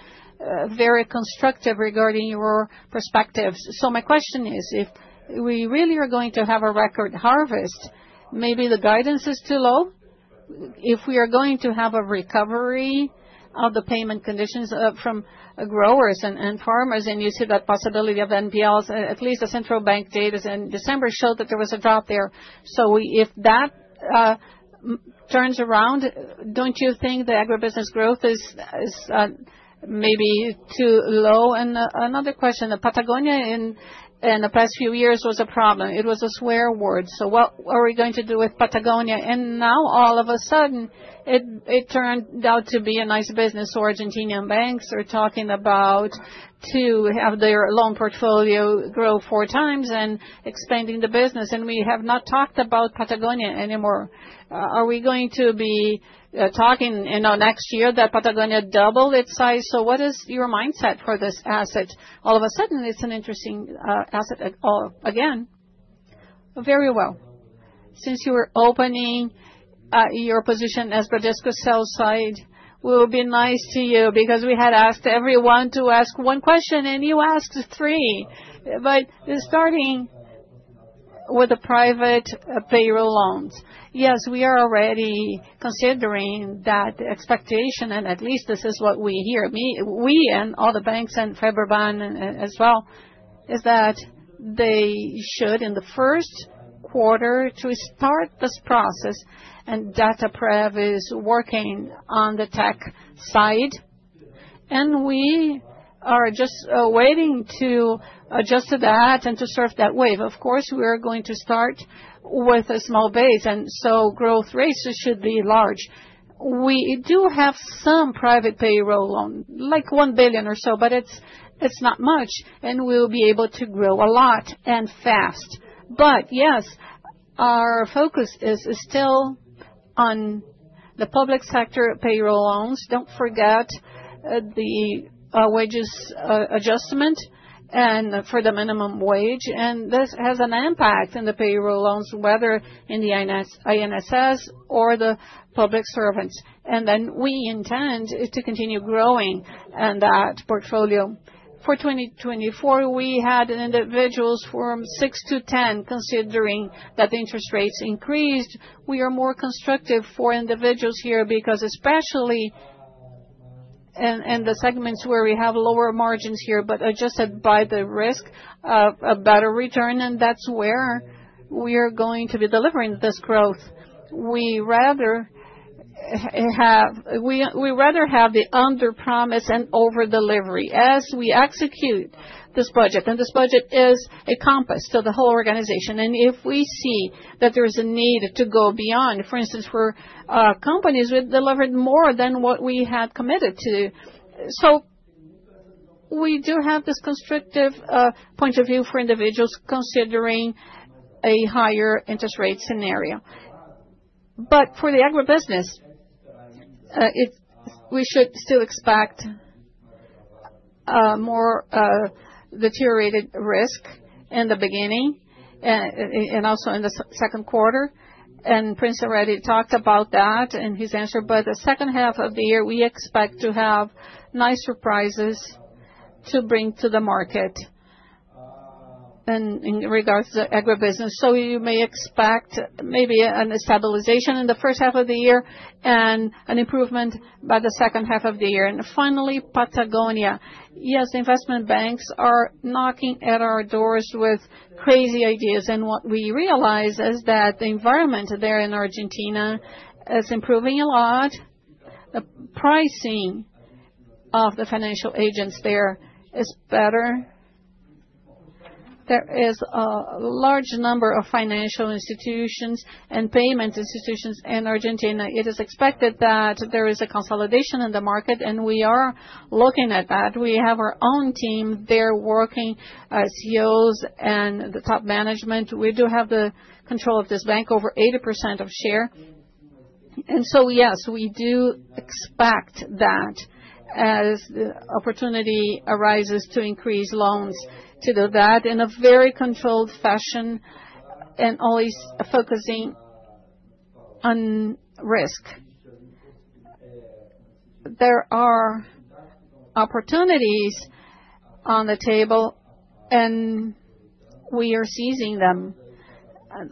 very constructive regarding your perspectives. So my question is, if we really are going to have a record harvest, maybe the guidance is too low. If we are going to have a recovery of the payment conditions from growers and farmers, and you see that possibility of NPLs, at least the central bank data in December showed that there was a drop there. So if that turns around, don't you think the agribusiness growth is maybe too low? And another question. Patagonia in the past few years was a problem. It was a swear word. So what are we going to do with Patagonia? And now, all of a sudden, it turned out to be a nice business. Argentinian banks are talking about to have their loan portfolio grow four times and expanding the business. And we have not talked about Patagonia anymore. Are we going to be talking next year that Patagonia doubled its size? So what is your mindset for this asset? All of a sudden, it's an interesting asset again. Very well. Since you were opening your position as Bradesco BBI, it would be nice to you because we had asked everyone to ask one question, and you asked three. But starting with the private payroll loans, yes, we are already considering that expectation. And at least this is what we hear. We and all the banks and Febraban as well is that they should, in the first quarter, start this process. And Dataprev is working on the tech side. And we are just waiting to adjust to that and to surf that wave. Of course, we are going to start with a small base. And so growth rates should be large. We do have some private payroll loan, like 1 billion or so, but it's not much, and we'll be able to grow a lot and fast, but yes, our focus is still on the public sector payroll loans. Don't forget the wages adjustment and for the minimum wage. And this has an impact in the payroll loans, whether in the INSS or the public servants, and then we intend to continue growing that portfolio. For 2024, we had individuals from 6%-10%. Considering that the interest rates increased, we are more constructive for individuals here because especially in the segments where we have lower margins here, but adjusted by the risk of a better return, and that's where we are going to be delivering this growth. We rather have the under-promise and over-delivery as we execute this budget, and this budget is a compass to the whole organization. And if we see that there is a need to go beyond, for instance, for companies, we delivered more than what we had committed to. So we do have this constructive point of view for individuals considering a higher interest rate scenario. But for the agribusiness, we should still expect more deteriorated risk in the beginning and also in the second quarter. And Prince already talked about that in his answer. But the second half of the year, we expect to have nice surprises to bring to the market in regards to agribusiness. So you may expect maybe a stabilization in the first half of the year and an improvement by the second half of the year. And finally, Patagonia. Yes, the investment banks are knocking at our doors with crazy ideas. And what we realize is that the environment there in Argentina is improving a lot. The pricing of the financial agents there is better. There is a large number of financial institutions and payment institutions in Argentina. It is expected that there is a consolidation in the market, and we are looking at that. We have our own team there working as CEOs and the top management. We do have the control of this bank, over 80% of share. So yes, we do expect that as the opportunity arises to increase loans to do that in a very controlled fashion and always focusing on risk. There are opportunities on the table, and we are seizing them.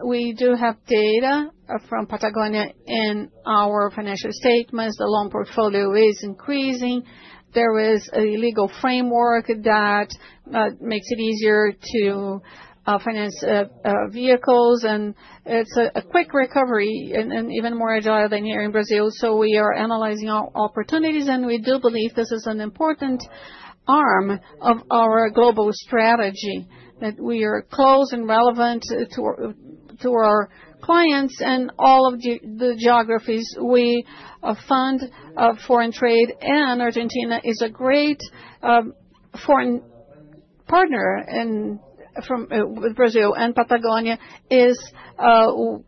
We do have data from Patagonia in our financial statements. The loan portfolio is increasing. There is a legal framework that makes it easier to finance vehicles. It's a quick recovery and even more agile than here in Brazil. So we are analyzing opportunities, and we do believe this is an important arm of our global strategy that we are close and relevant to our clients and all of the geographies. We fund foreign trade, and Argentina is a great foreign partner with Brazil. And Patagonia is our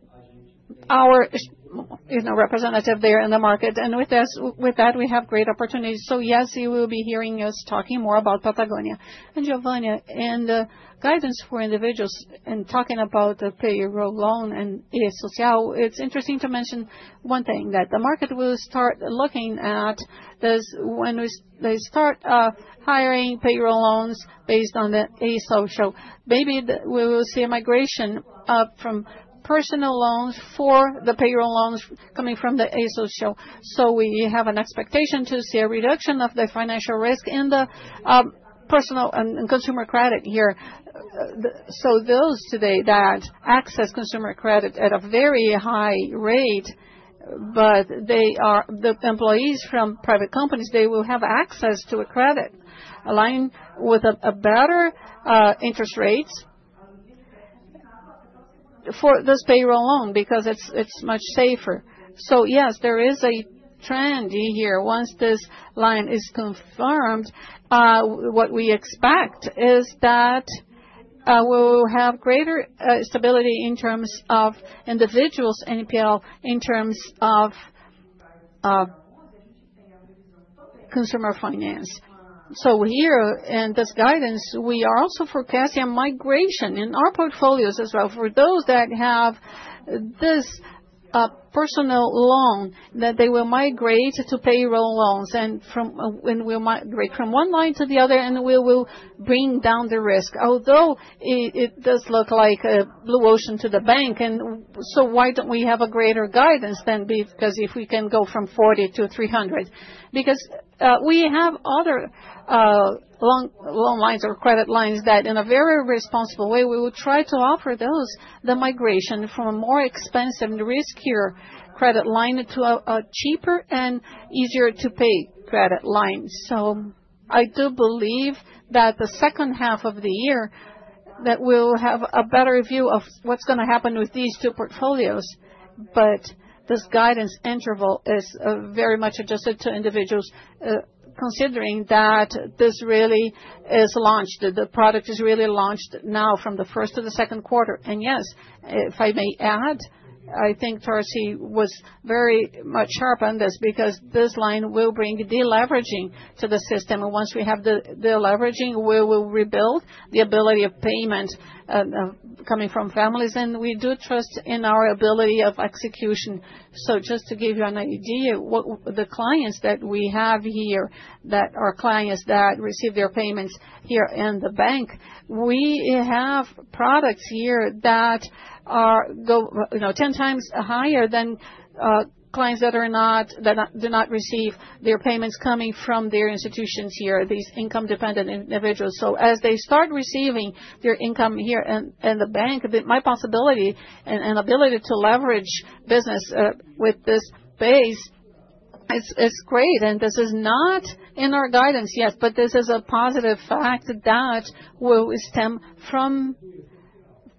representative there in the market. And with that, we have great opportunities. So yes, you will be hearing us talking more about Patagonia and Geovanne and the guidance for individuals and talking about the payroll loan and social. It's interesting to mention one thing that the market will start looking at when they start hiring payroll loans based on the eSocial. Maybe we will see a migration from personal loans for the payroll loans coming from the eSocial. So we have an expectation to see a reduction of the financial risk in the personal and consumer credit here. So those today that access consumer credit at a very high rate, but the employees from private companies, they will have access to a credit aligned with better interest rates for this payroll loan because it's much safer. So yes, there is a trend here. Once this line is confirmed, what we expect is that we will have greater stability in terms of individuals' NPL, in terms of consumer finance. So here in this guidance, we are also forecasting a migration in our portfolios as well for those that have this personal loan that they will migrate to payroll loans. And we'll migrate from one line to the other, and we will bring down the risk. Although it does look like a blue ocean to the bank, and so why don't we have a greater guidance than because if we can go from 40 to 300? Because we have other loan lines or credit lines that in a very responsible way, we will try to offer those the migration from a more expensive and riskier credit line to a cheaper and easier-to-pay credit line. So I do believe that the second half of the year that we'll have a better view of what's going to happen with these two portfolios. But this guidance interval is very much adjusted to individuals considering that this really is launched. The product is really launched now from the first to the second quarter. And yes, if I may add, I think Tarci was very much sharp on this because this line will bring deleveraging to the system. And once we have the deleveraging, we will rebuild the ability of payment coming from families. And we do trust in our ability of execution. Just to give you an idea, the clients that we have here, that are clients that receive their payments here in the bank, we have products here that are 10 times higher than clients that do not receive their payments coming from their institutions here, these income-dependent individuals. As they start receiving their income here in the bank, my possibility and ability to leverage business with this base is great. This is not in our guidance yet, but this is a positive fact that will stem from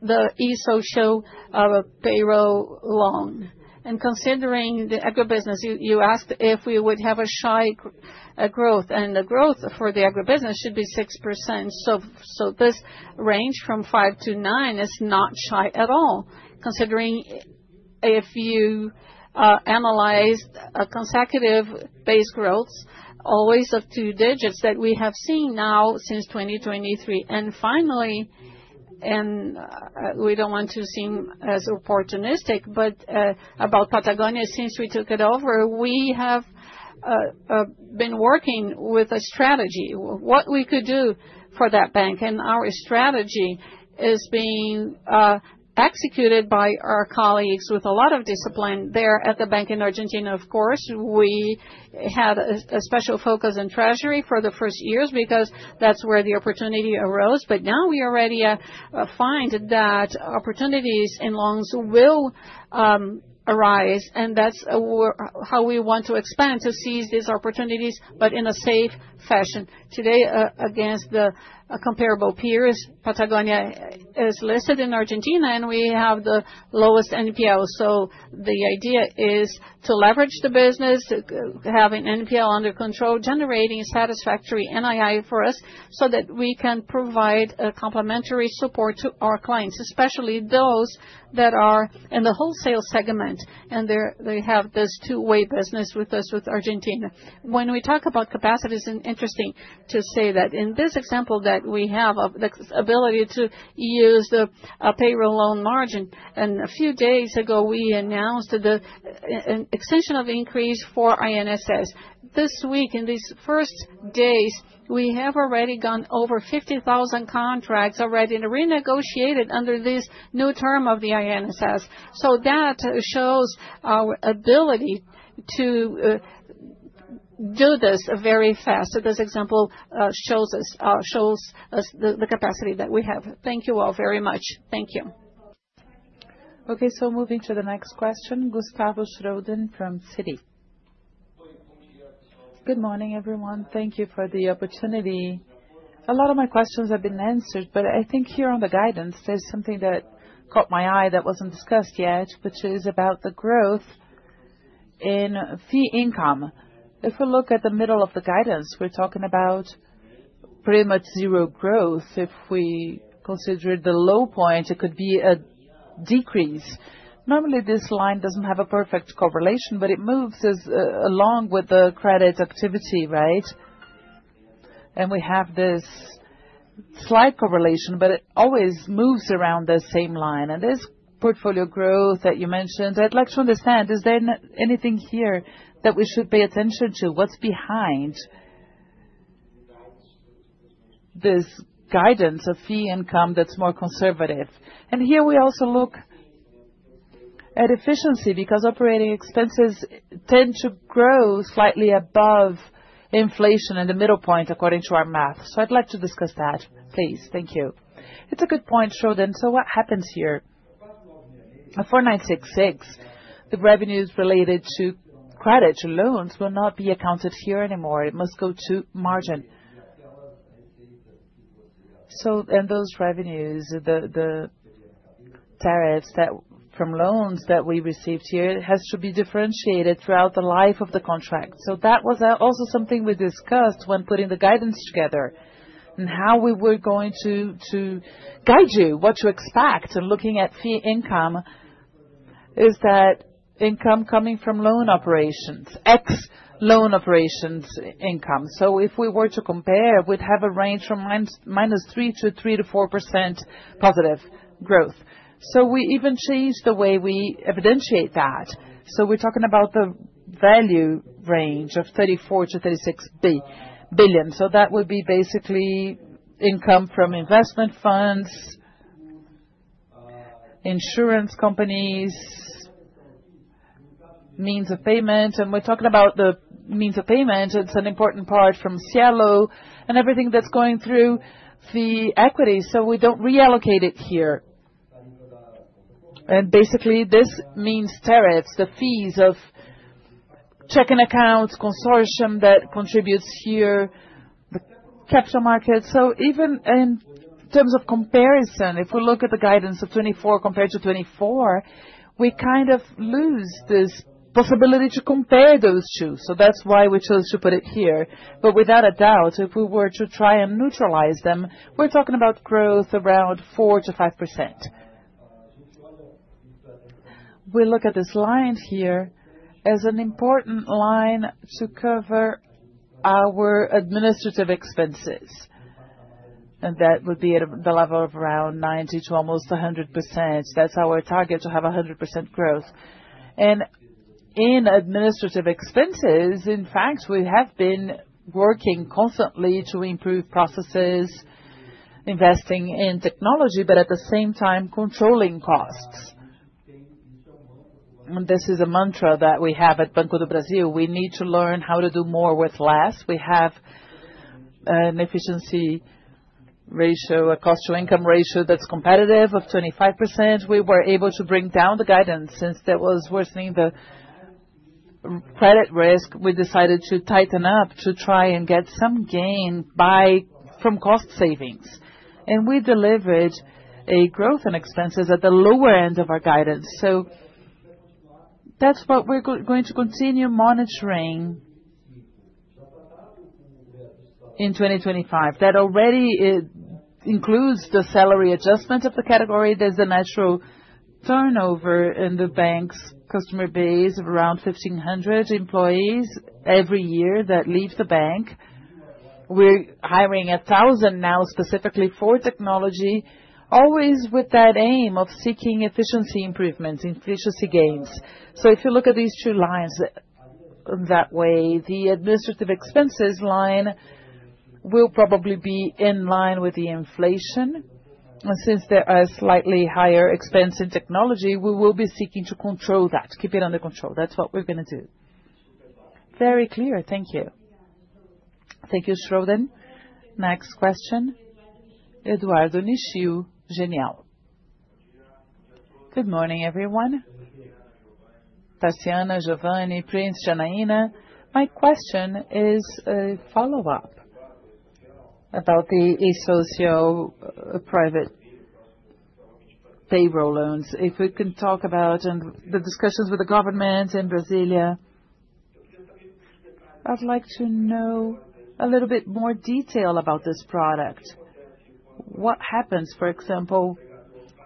the eSocial of a payroll loan. Considering the agribusiness, you asked if we would have a shy growth, and the growth for the agribusiness should be 6%. This range from 5%-9% is not shy at all, considering if you analyze consecutive base growths, always of two digits that we have seen now since 2023. Finally, we don't want to seem as opportunistic, but about Patagonia, since we took it over, we have been working with a strategy. What we could do for that bank, and our strategy is being executed by our colleagues with a lot of discipline there at the bank in Argentina. Of course, we had a special focus in Treasury for the first years because that's where the opportunity arose. Now we already find that opportunities in loans will arise, and that's how we want to expand to seize these opportunities, but in a safe fashion. Today, against the comparable peers, Patagonia is listed in Argentina, and we have the lowest NPL. So the idea is to leverage the business, having NPL under control, generating satisfactory NII for us so that we can provide complementary support to our clients, especially those that are in the wholesale segment. They have this two-way business with us, with Argentina. When we talk about capacities, it's interesting to say that in this example that we have the ability to use the payroll loan margin. A few days ago, we announced the extension of increase for INSS. This week, in these first days, we have already gone over 50,000 contracts already renegotiated under this new term of the INSS. That shows our ability to do this very fast. This example shows us the capacity that we have. Thank you all very much. Thank you. Okay, moving to the next question, Gustavo Schroden from Citigroup. Good morning, everyone. Thank you for the opportunity. A lot of my questions have been answered, but I think here on the guidance, there's something that caught my eye that wasn't discussed yet, which is about the growth in fee income. If we look at the middle of the guidance, we're talking about pretty much zero growth. If we consider the low point, it could be a decrease. Normally, this line doesn't have a perfect correlation, but it moves along with the credit activity, right? And we have this slight correlation, but it always moves around the same line. And this portfolio growth that you mentioned, I'd like to understand, is there anything here that we should pay attention to? What's behind this guidance of fee income that's more conservative? And here we also look at efficiency because operating expenses tend to grow slightly above inflation in the middle point, according to our math. So I'd like to discuss that, please. Thank you. It's a good point, Schroden. So what happens here? At 4966, the revenues related to credit loans will not be accounted here anymore. It must go to margin. In those revenues, the tariffs from loans that we received here has to be differentiated throughout the life of the contract. That was also something we discussed when putting the guidance together and how we were going to guide you what to expect. Looking at fee income, that is income coming from loan operations, ex-loan operations income. If we were to compare, we'd have a range from minus 3%-3% to 4% positive growth. We even changed the way we evidentiate that. We're talking about the value range of 34 billion-36 billion. That would be basically income from investment funds, insurance companies, means of payment. We're talking about the means of payment. It's an important part from Cielo and everything that's going through the equity. We don't reallocate it here. And basically, this means tariffs, the fees of checking accounts, consortium that contributes here, the capital markets. So even in terms of comparison, if we look at the guidance of 2024 compared to 2024, we kind of lose this possibility to compare those two. So that's why we chose to put it here. But without a doubt, if we were to try and neutralize them, we're talking about growth around 4%-5%. We look at this line here as an important line to cover our administrative expenses. And that would be at the level of around 90% to almost 100%. That's our target to have 100% growth. And in administrative expenses, in fact, we have been working constantly to improve processes, investing in technology, but at the same time, controlling costs. This is a mantra that we have at Banco do Brasil. We need to learn how to do more with less. We have an efficiency ratio, a cost-to-income ratio that's competitive of 25%. We were able to bring down the guidance. Since there was worsening the credit risk, we decided to tighten up to try and get some gain from cost savings, and we delivered a growth in expenses at the lower end of our guidance, so that's what we're going to continue monitoring in 2025. That already includes the salary adjustment of the category. There's a natural turnover in the bank's customer base of around 1,500 employees every year that leave the bank. We're hiring 1,000 now, specifically for technology, always with that aim of seeking efficiency improvements, efficiency gains, so if you look at these two lines that way, the administrative expenses line will probably be in line with the inflation. Since there are slightly higher expenses in technology, we will be seeking to control that, keep it under control. That's what we're going to do. Very clear. Thank you. Thank you, Schroden. Next question. Eduardo Nishio, Genial. Good morning, everyone. Tarciana, Geovanne, Prince, Janaína. My question is a follow-up about the eSocial private payroll loans. If we can talk about the discussions with the government in Brasília, I'd like to know a little bit more detail about this product. What happens, for example,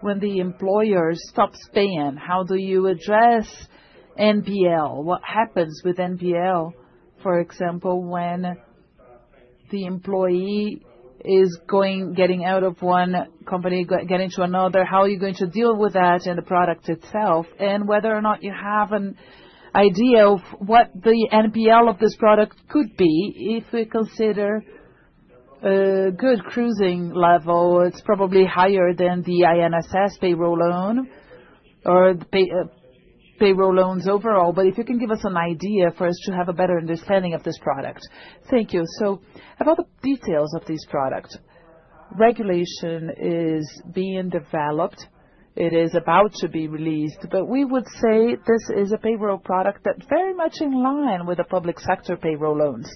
when the employer stops paying? How do you address NPL? What happens with NPL, for example, when the employee is getting out of one company, getting to another? How are you going to deal with that and the product itself? And whether or not you have an idea of what the NPL of this product could be if we consider good cruising level. It's probably higher than the INSS Payroll Loan or payroll loans overall. But if you can give us an idea for us to have a better understanding of this product. Thank you. So about the details of this product. Regulation is being developed. It is about to be released. But we would say this is a payroll product that's very much in line with the public sector payroll loans.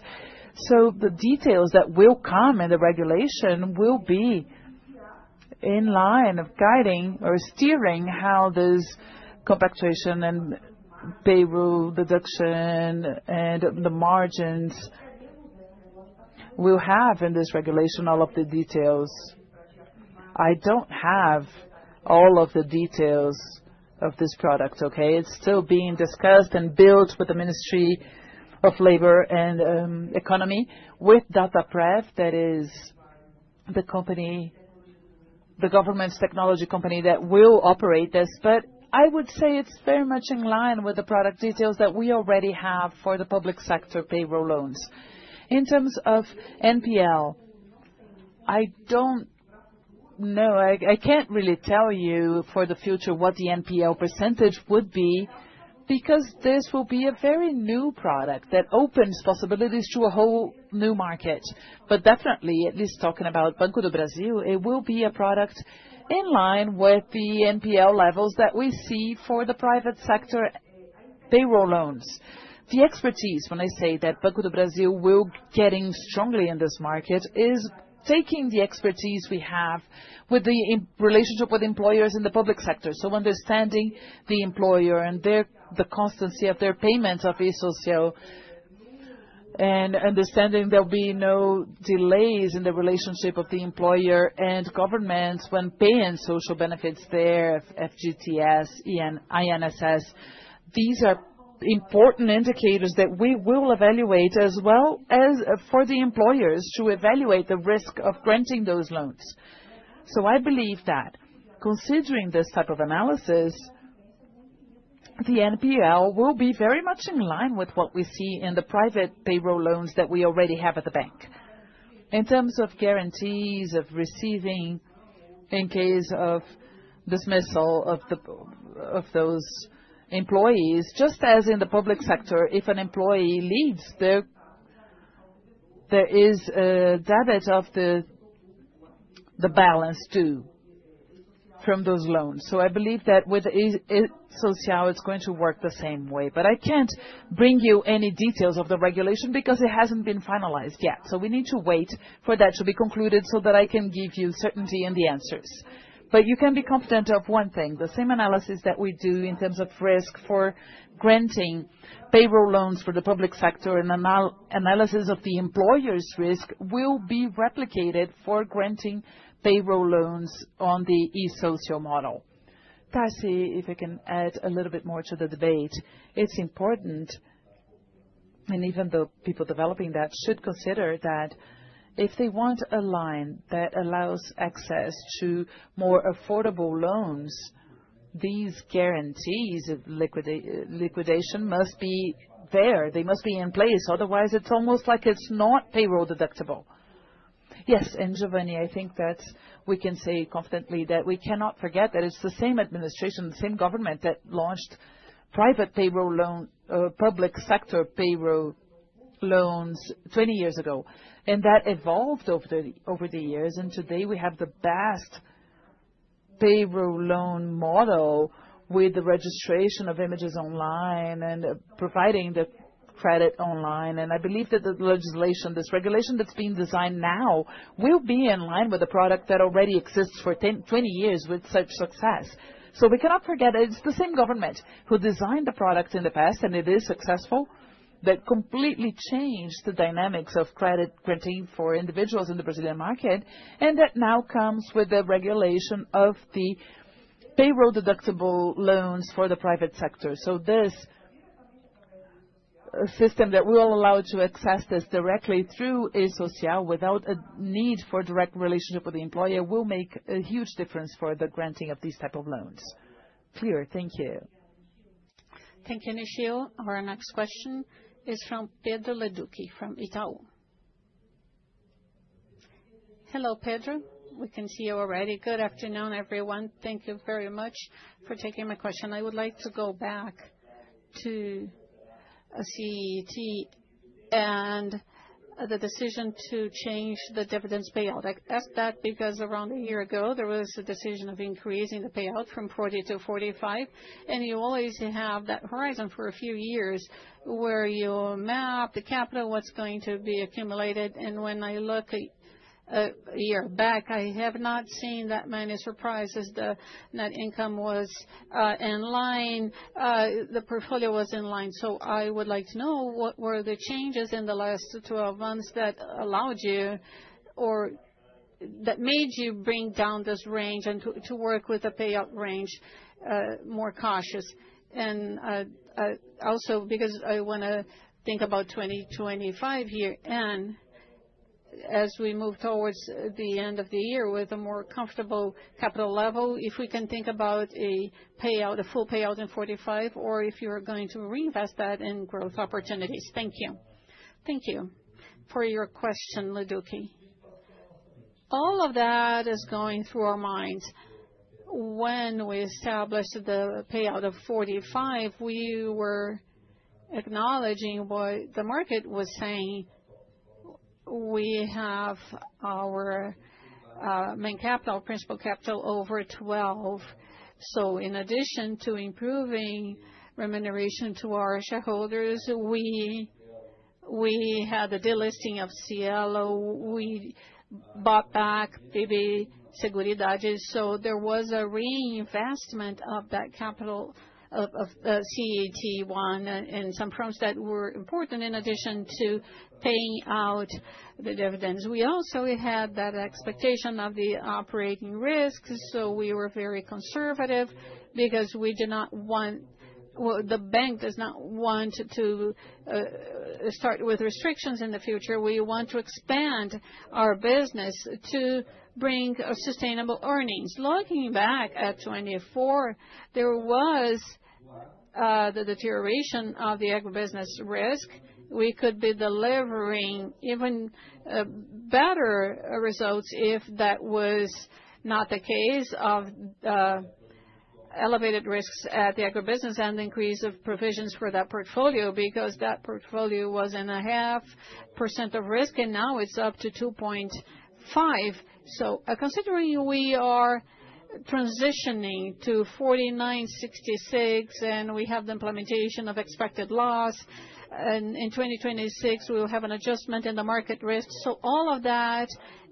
So the details that will come in the regulation will be in line of guiding or steering how this compensation and payroll deduction and the margins will have in this regulation, all of the details. I don't have all of the details of this product, okay? It's still being discussed and built with the Ministry of Labor and Economy with Dataprev, that is the government's technology company that will operate this. But I would say it's very much in line with the product details that we already have for the public sector payroll loans. In terms of NPL, I don't know. I can't really tell you for the future what the NPL percentage would be because this will be a very new product that opens possibilities to a whole new market. But definitely, at least talking about Banco do Brasil, it will be a product in line with the NPL levels that we see for the private sector payroll loans. The expertise, when I say that Banco do Brasil will be getting strongly in this market, is taking the expertise we have with the relationship with employers in the public sector. So understanding the employer and the constancy of their payments of eSocial and understanding there will be no delays in the relationship of the employer and governments when paying social benefits there, FGTS, INSS. These are important indicators that we will evaluate as well as for the employers to evaluate the risk of granting those loans. So I believe that considering this type of analysis, the NPL will be very much in line with what we see in the private payroll loans that we already have at the bank. In terms of guarantees of receiving in case of dismissal of those employees, just as in the public sector, if an employee leaves, there is a debit of the balance due from those loans. So I believe that with eSocial, it's going to work the same way. But I can't bring you any details of the regulation because it hasn't been finalized yet. So we need to wait for that to be concluded so that I can give you certainty in the answers. But you can be confident of one thing. The same analysis that we do in terms of risk for granting payroll loans for the public sector and analysis of the employer's risk will be replicated for granting payroll loans on the eSocial model. Tarci, if you can add a little bit more to the debate. It's important, and even the people developing that should consider that if they want a line that allows access to more affordable loans, these guarantees of liquidation must be there. They must be in place. Otherwise, it's almost like it's not payroll deductible. Yes. And Geovanne, I think that we can say confidently that we cannot forget that it's the same administration, the same government that launched private payroll loan, public sector payroll loans 20 years ago. And that evolved over the years. And today, we have the best payroll loan model with the registration of images online and providing the credit online. And I believe that this regulation that's being designed now will be in line with the product that already exists for 20 years with such success. So we cannot forget it's the same government who designed the product in the past, and it is successful, that completely changed the dynamics of credit granting for individuals in the Brazilian market, and that now comes with the regulation of the payroll deductible loans for the private sector. So this system that will allow to access this directly through eSocial without a need for direct relationship with the employer will make a huge difference for the granting of these types of loans. Clear. Thank you. Thank you, Nishio. Our next question is from Pedro Leduc from Itaú. Hello, Pedro. We can see you already. Good afternoon, everyone. Thank you very much for taking my question. I would like to go back to CET1 and the decision to change the dividends payout. I ask that because around a year ago, there was a decision of increasing the payout from 40%-45%. And you always have that horizon for a few years where you map the capital, what's going to be accumulated. And when I look a year back, I have not seen that many surprises. The net income was in line. The portfolio was in line. So I would like to know what were the changes in the last 12 months that allowed you or that made you bring down this range and to work with a payout range more cautious. And also because I want to think about 2025 here. And as we move towards the end of the year with a more comfortable capital level, if we can think about a full payout of 45% or if you are going to reinvest that in growth opportunities. Thank you. Thank you for your question, Leduc. All of that is going through our minds. When we established the payout of 45%, we were acknowledging what the market was saying. We have our main capital, principal capital over 12%. So in addition to improving remuneration to our shareholders, we had the delisting of Cielo. We bought back BB Seguridade. There was a reinvestment of that capital of CET1 and some firms that were important in addition to paying out the dividends. We also had that expectation of the operating risks. We were very conservative because the bank does not want to start with restrictions in the future. We want to expand our business to bring sustainable earnings. Looking back at 2024, there was the deterioration of the agribusiness risk. We could be delivering even better results if that was not the case of elevated risks at the agribusiness and increase of provisions for that portfolio because that portfolio was in a 0.5% of risk, and now it's up to 2.5%. Considering we are transitioning to 4966 and we have the implementation of expected loss, in 2026, we will have an adjustment in the market risk. All of that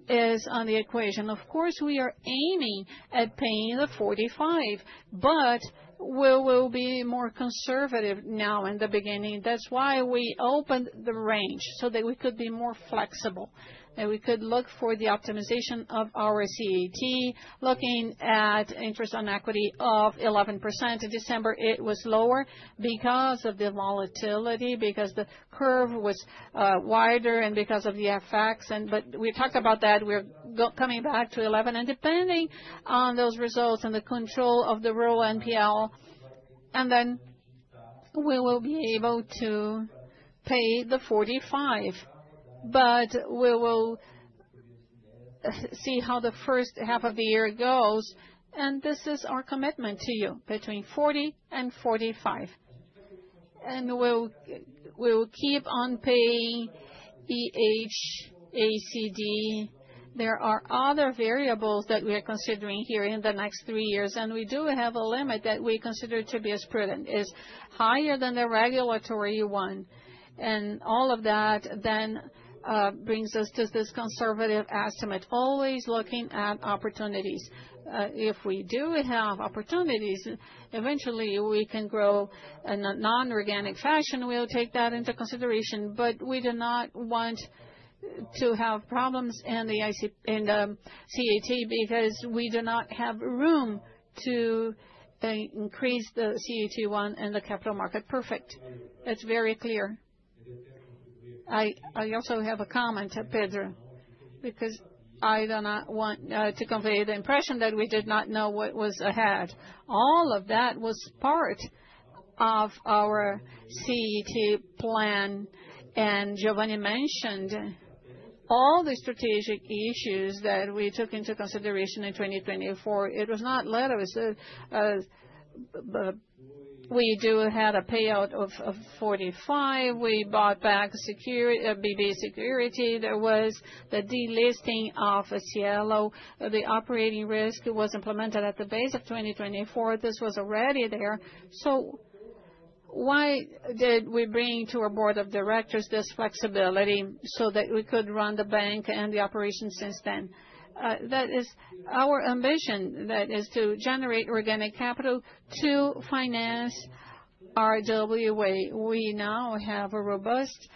is on the equation. Of course, we are aiming at paying the 45%, but we will be more conservative now in the beginning. That's why we opened the range so that we could be more flexible and we could look for the optimization of our CET1, looking at interest on equity of 11%. In December, it was lower because of the volatility, because the curve was wider, and because of the FX. But we talked about that. We're coming back to 11%. And depending on those results and the control of the rural NPL, and then we will be able to pay the 45%. But we will see how the first half of the year goes. And this is our commitment to you between 40% and 45%. And we'll keep on paying BHACD. There are other variables that we are considering here in the next three years. And we do have a limit that we consider to be as prudent as higher than the regulatory one. And all of that then brings us to this conservative estimate, always looking at opportunities. If we do have opportunities, eventually we can grow in a non-organic fashion. We'll take that into consideration. But we do not want to have problems in the CET because we do not have room to increase the CET1 in the capital market. Perfect. That's very clear. I also have a comment, Pedro, because I do not want to convey the impression that we did not know what was ahead. All of that was part of our CET plan. And Geovanne mentioned all the strategic issues that we took into consideration in 2024. It was not letters. We do have a payout of 45%. We bought back BB Seguridade. There was the delisting of Cielo. The operating risk was implemented at the base of 2024. This was already there. So why did we bring to our board of directors this flexibility so that we could run the bank and the operations since then? That is our ambition, that is to generate organic capital to finance RWA. We now have a robust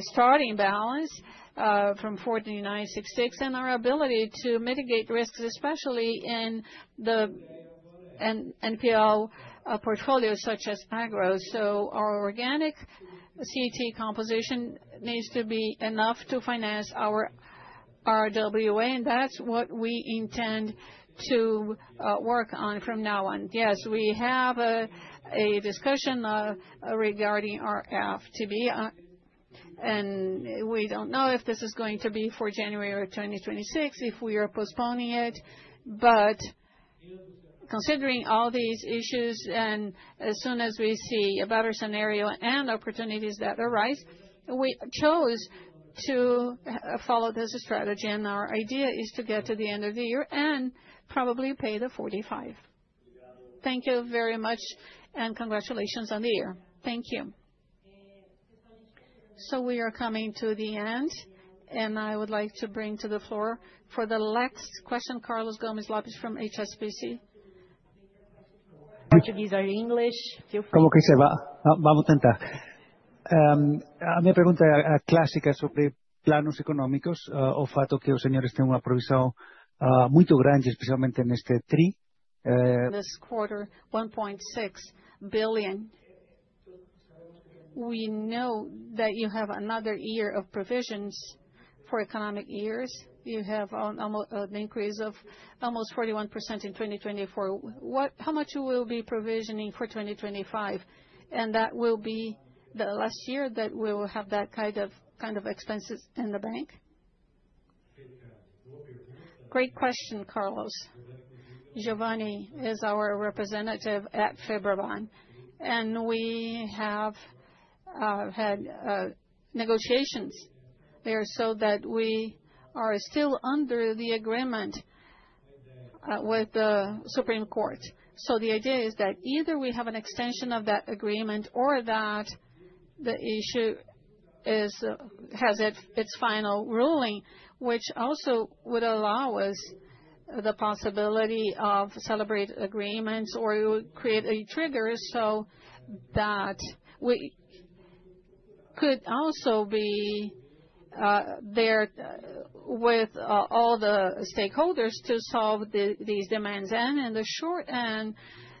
starting balance from 4966 and our ability to mitigate risks, especially in the NPL portfolio such as agro. So our organic CET composition needs to be enough to finance our RWA. And that's what we intend to work on from now on. Yes, we have a discussion regarding our FTB. And we don't know if this is going to be for January of 2026, if we are postponing it. But considering all these issues, and as soon as we see a better scenario and opportunities that arise, we chose to follow this strategy. And our idea is to get to the end of the year and probably pay the 45%. Thank you very much, and congratulations on the year. Thank you. So we are coming to the end, and I would like to bring to the floor for the next question, Carlos Gomez-Lopez from HSBC. Portuguese or English, feel free. Como quem sabe, vamos tentar. A minha pergunta é a clássica sobre planos econômicos, o fato de que os senhores têm uma provisão muito grande, especialmente neste tri. This quarter, 1.6 billion. We know that you have another year of provisions for economic years. You have an increase of almost 41% in 2024. How much will you be provisioning for 2025? That will be the last year that we will have that kind of expenses in the bank? Great question, Carlos. Geovanne is our representative at Febraban. We have had negotiations there so that we are still under the agreement with the Supreme Court. The idea is that either we have an extension of that agreement or that the issue has its final ruling, which also would allow us the possibility of celebrated agreements or create a trigger so that we could also be there with all the stakeholders to solve these demands. In the short and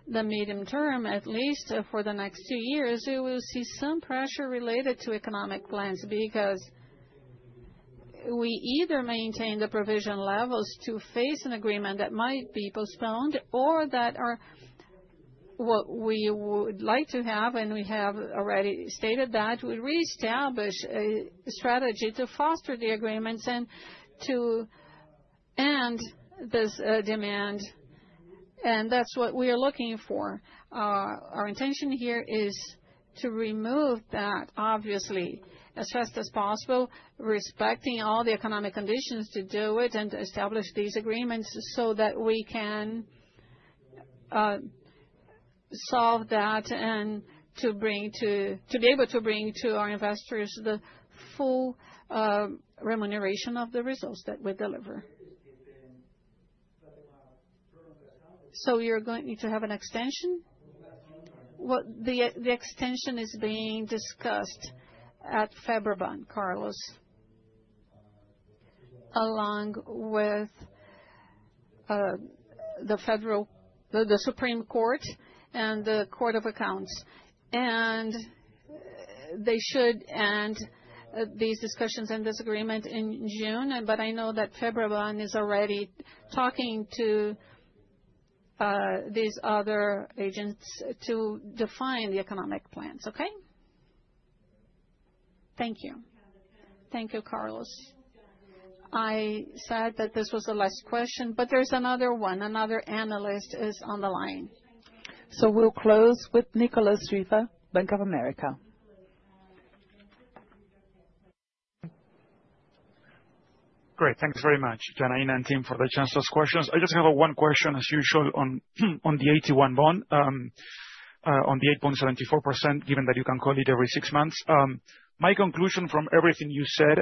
the medium term, at least for the next two years, we will see some pressure related to economic plans because we either maintain the provision levels to face an agreement that might be postponed or that are what we would like to have. We have already stated that we reestablish a strategy to foster the agreements and to end this demand. That's what we are looking for. Our intention here is to remove that, obviously, as fast as possible, respecting all the economic conditions to do it and establish these agreements so that we can solve that and to be able to bring to our investors the full remuneration of the results that we deliver. You're going to have an extension? The extension is being discussed at Febraban, Carlos, along with the Supreme Court and the Court of Accounts. They should end these discussions and this agreement in June. I know that Febraban is already talking to these other agents to define the economic plans. Okay? Thank you. Thank you, Carlos. I said that this was the last question, but there's another one. Another analyst is on the line, so we'll close with Nicolas Riva, Bank of America. Great. Thanks very much, Janaína and team, for the chance to ask questions. I just have one question, as usual, on the AT1 bond, on the 8.74%, given that you can call it every six months. My conclusion from everything you said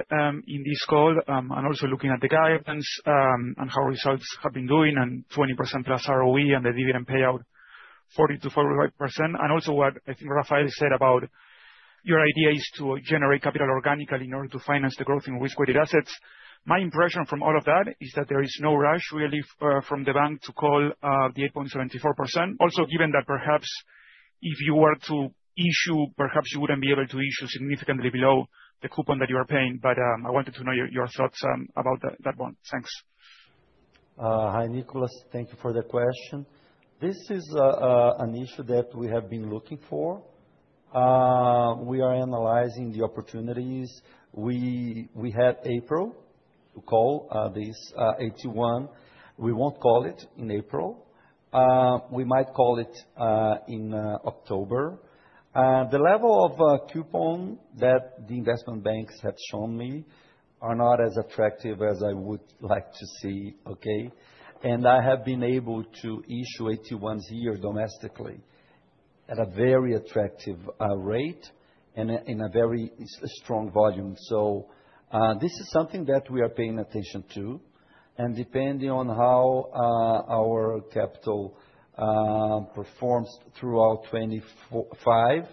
in this call, and also looking at the guidance and how results have been doing, and 20% plus ROE and the dividend payout, 40%-45%, and also what I think Rafael said about your idea is to generate capital organically in order to finance the growth in risk-weighted assets. My impression from all of that is that there is no rush, really, from the bank to call the 8.74%. Also, given that perhaps if you were to issue, perhaps you wouldn't be able to issue significantly below the coupon that you are paying. But I wanted to know your thoughts about that bond. Thanks. Hi, Nicolas. Thank you for the question. This is an issue that we have been looking for. We are analyzing the opportunities. We had April to call this AT1. We won't call it in April. We might call it in October. The level of coupon that the investment banks have shown me are not as attractive as I would like to see. Okay? And I have been able to issue AT1s here domestically at a very attractive rate and in a very strong volume. So this is something that we are paying attention to. And depending on how our capital performs throughout 2025,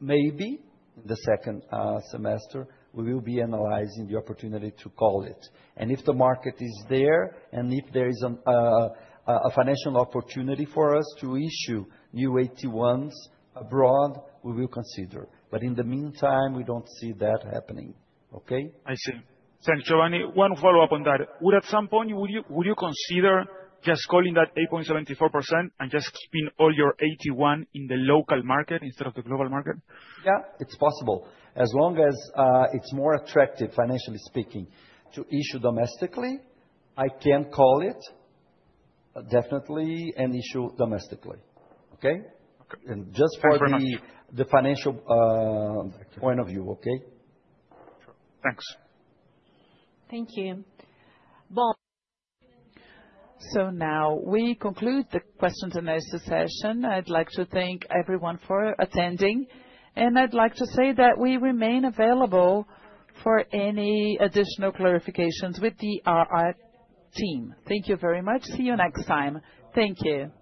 maybe in the second semester, we will be analyzing the opportunity to call it. And if the market is there and if there is a financial opportunity for us to issue new AT1s abroad, we will consider. But in the meantime, we don't see that happening. Okay? I see. Thanks, Geovanne. One follow-up on that. Would at some point, would you consider just calling that 8.74% and just spend all your AT1 in the local market instead of the global market? Yeah, it's possible. As long as it's more attractive, financially speaking, to issue domestically, I can call it definitely and issue domestically. Okay? And just for the financial point of view. Okay? Thanks. Thank you. So now we conclude the questions and answers session. I'd like to thank everyone for attending. And I'd like to say that we remain available for any additional clarifications with the RI team. Thank you very much. See you next time. Thank you.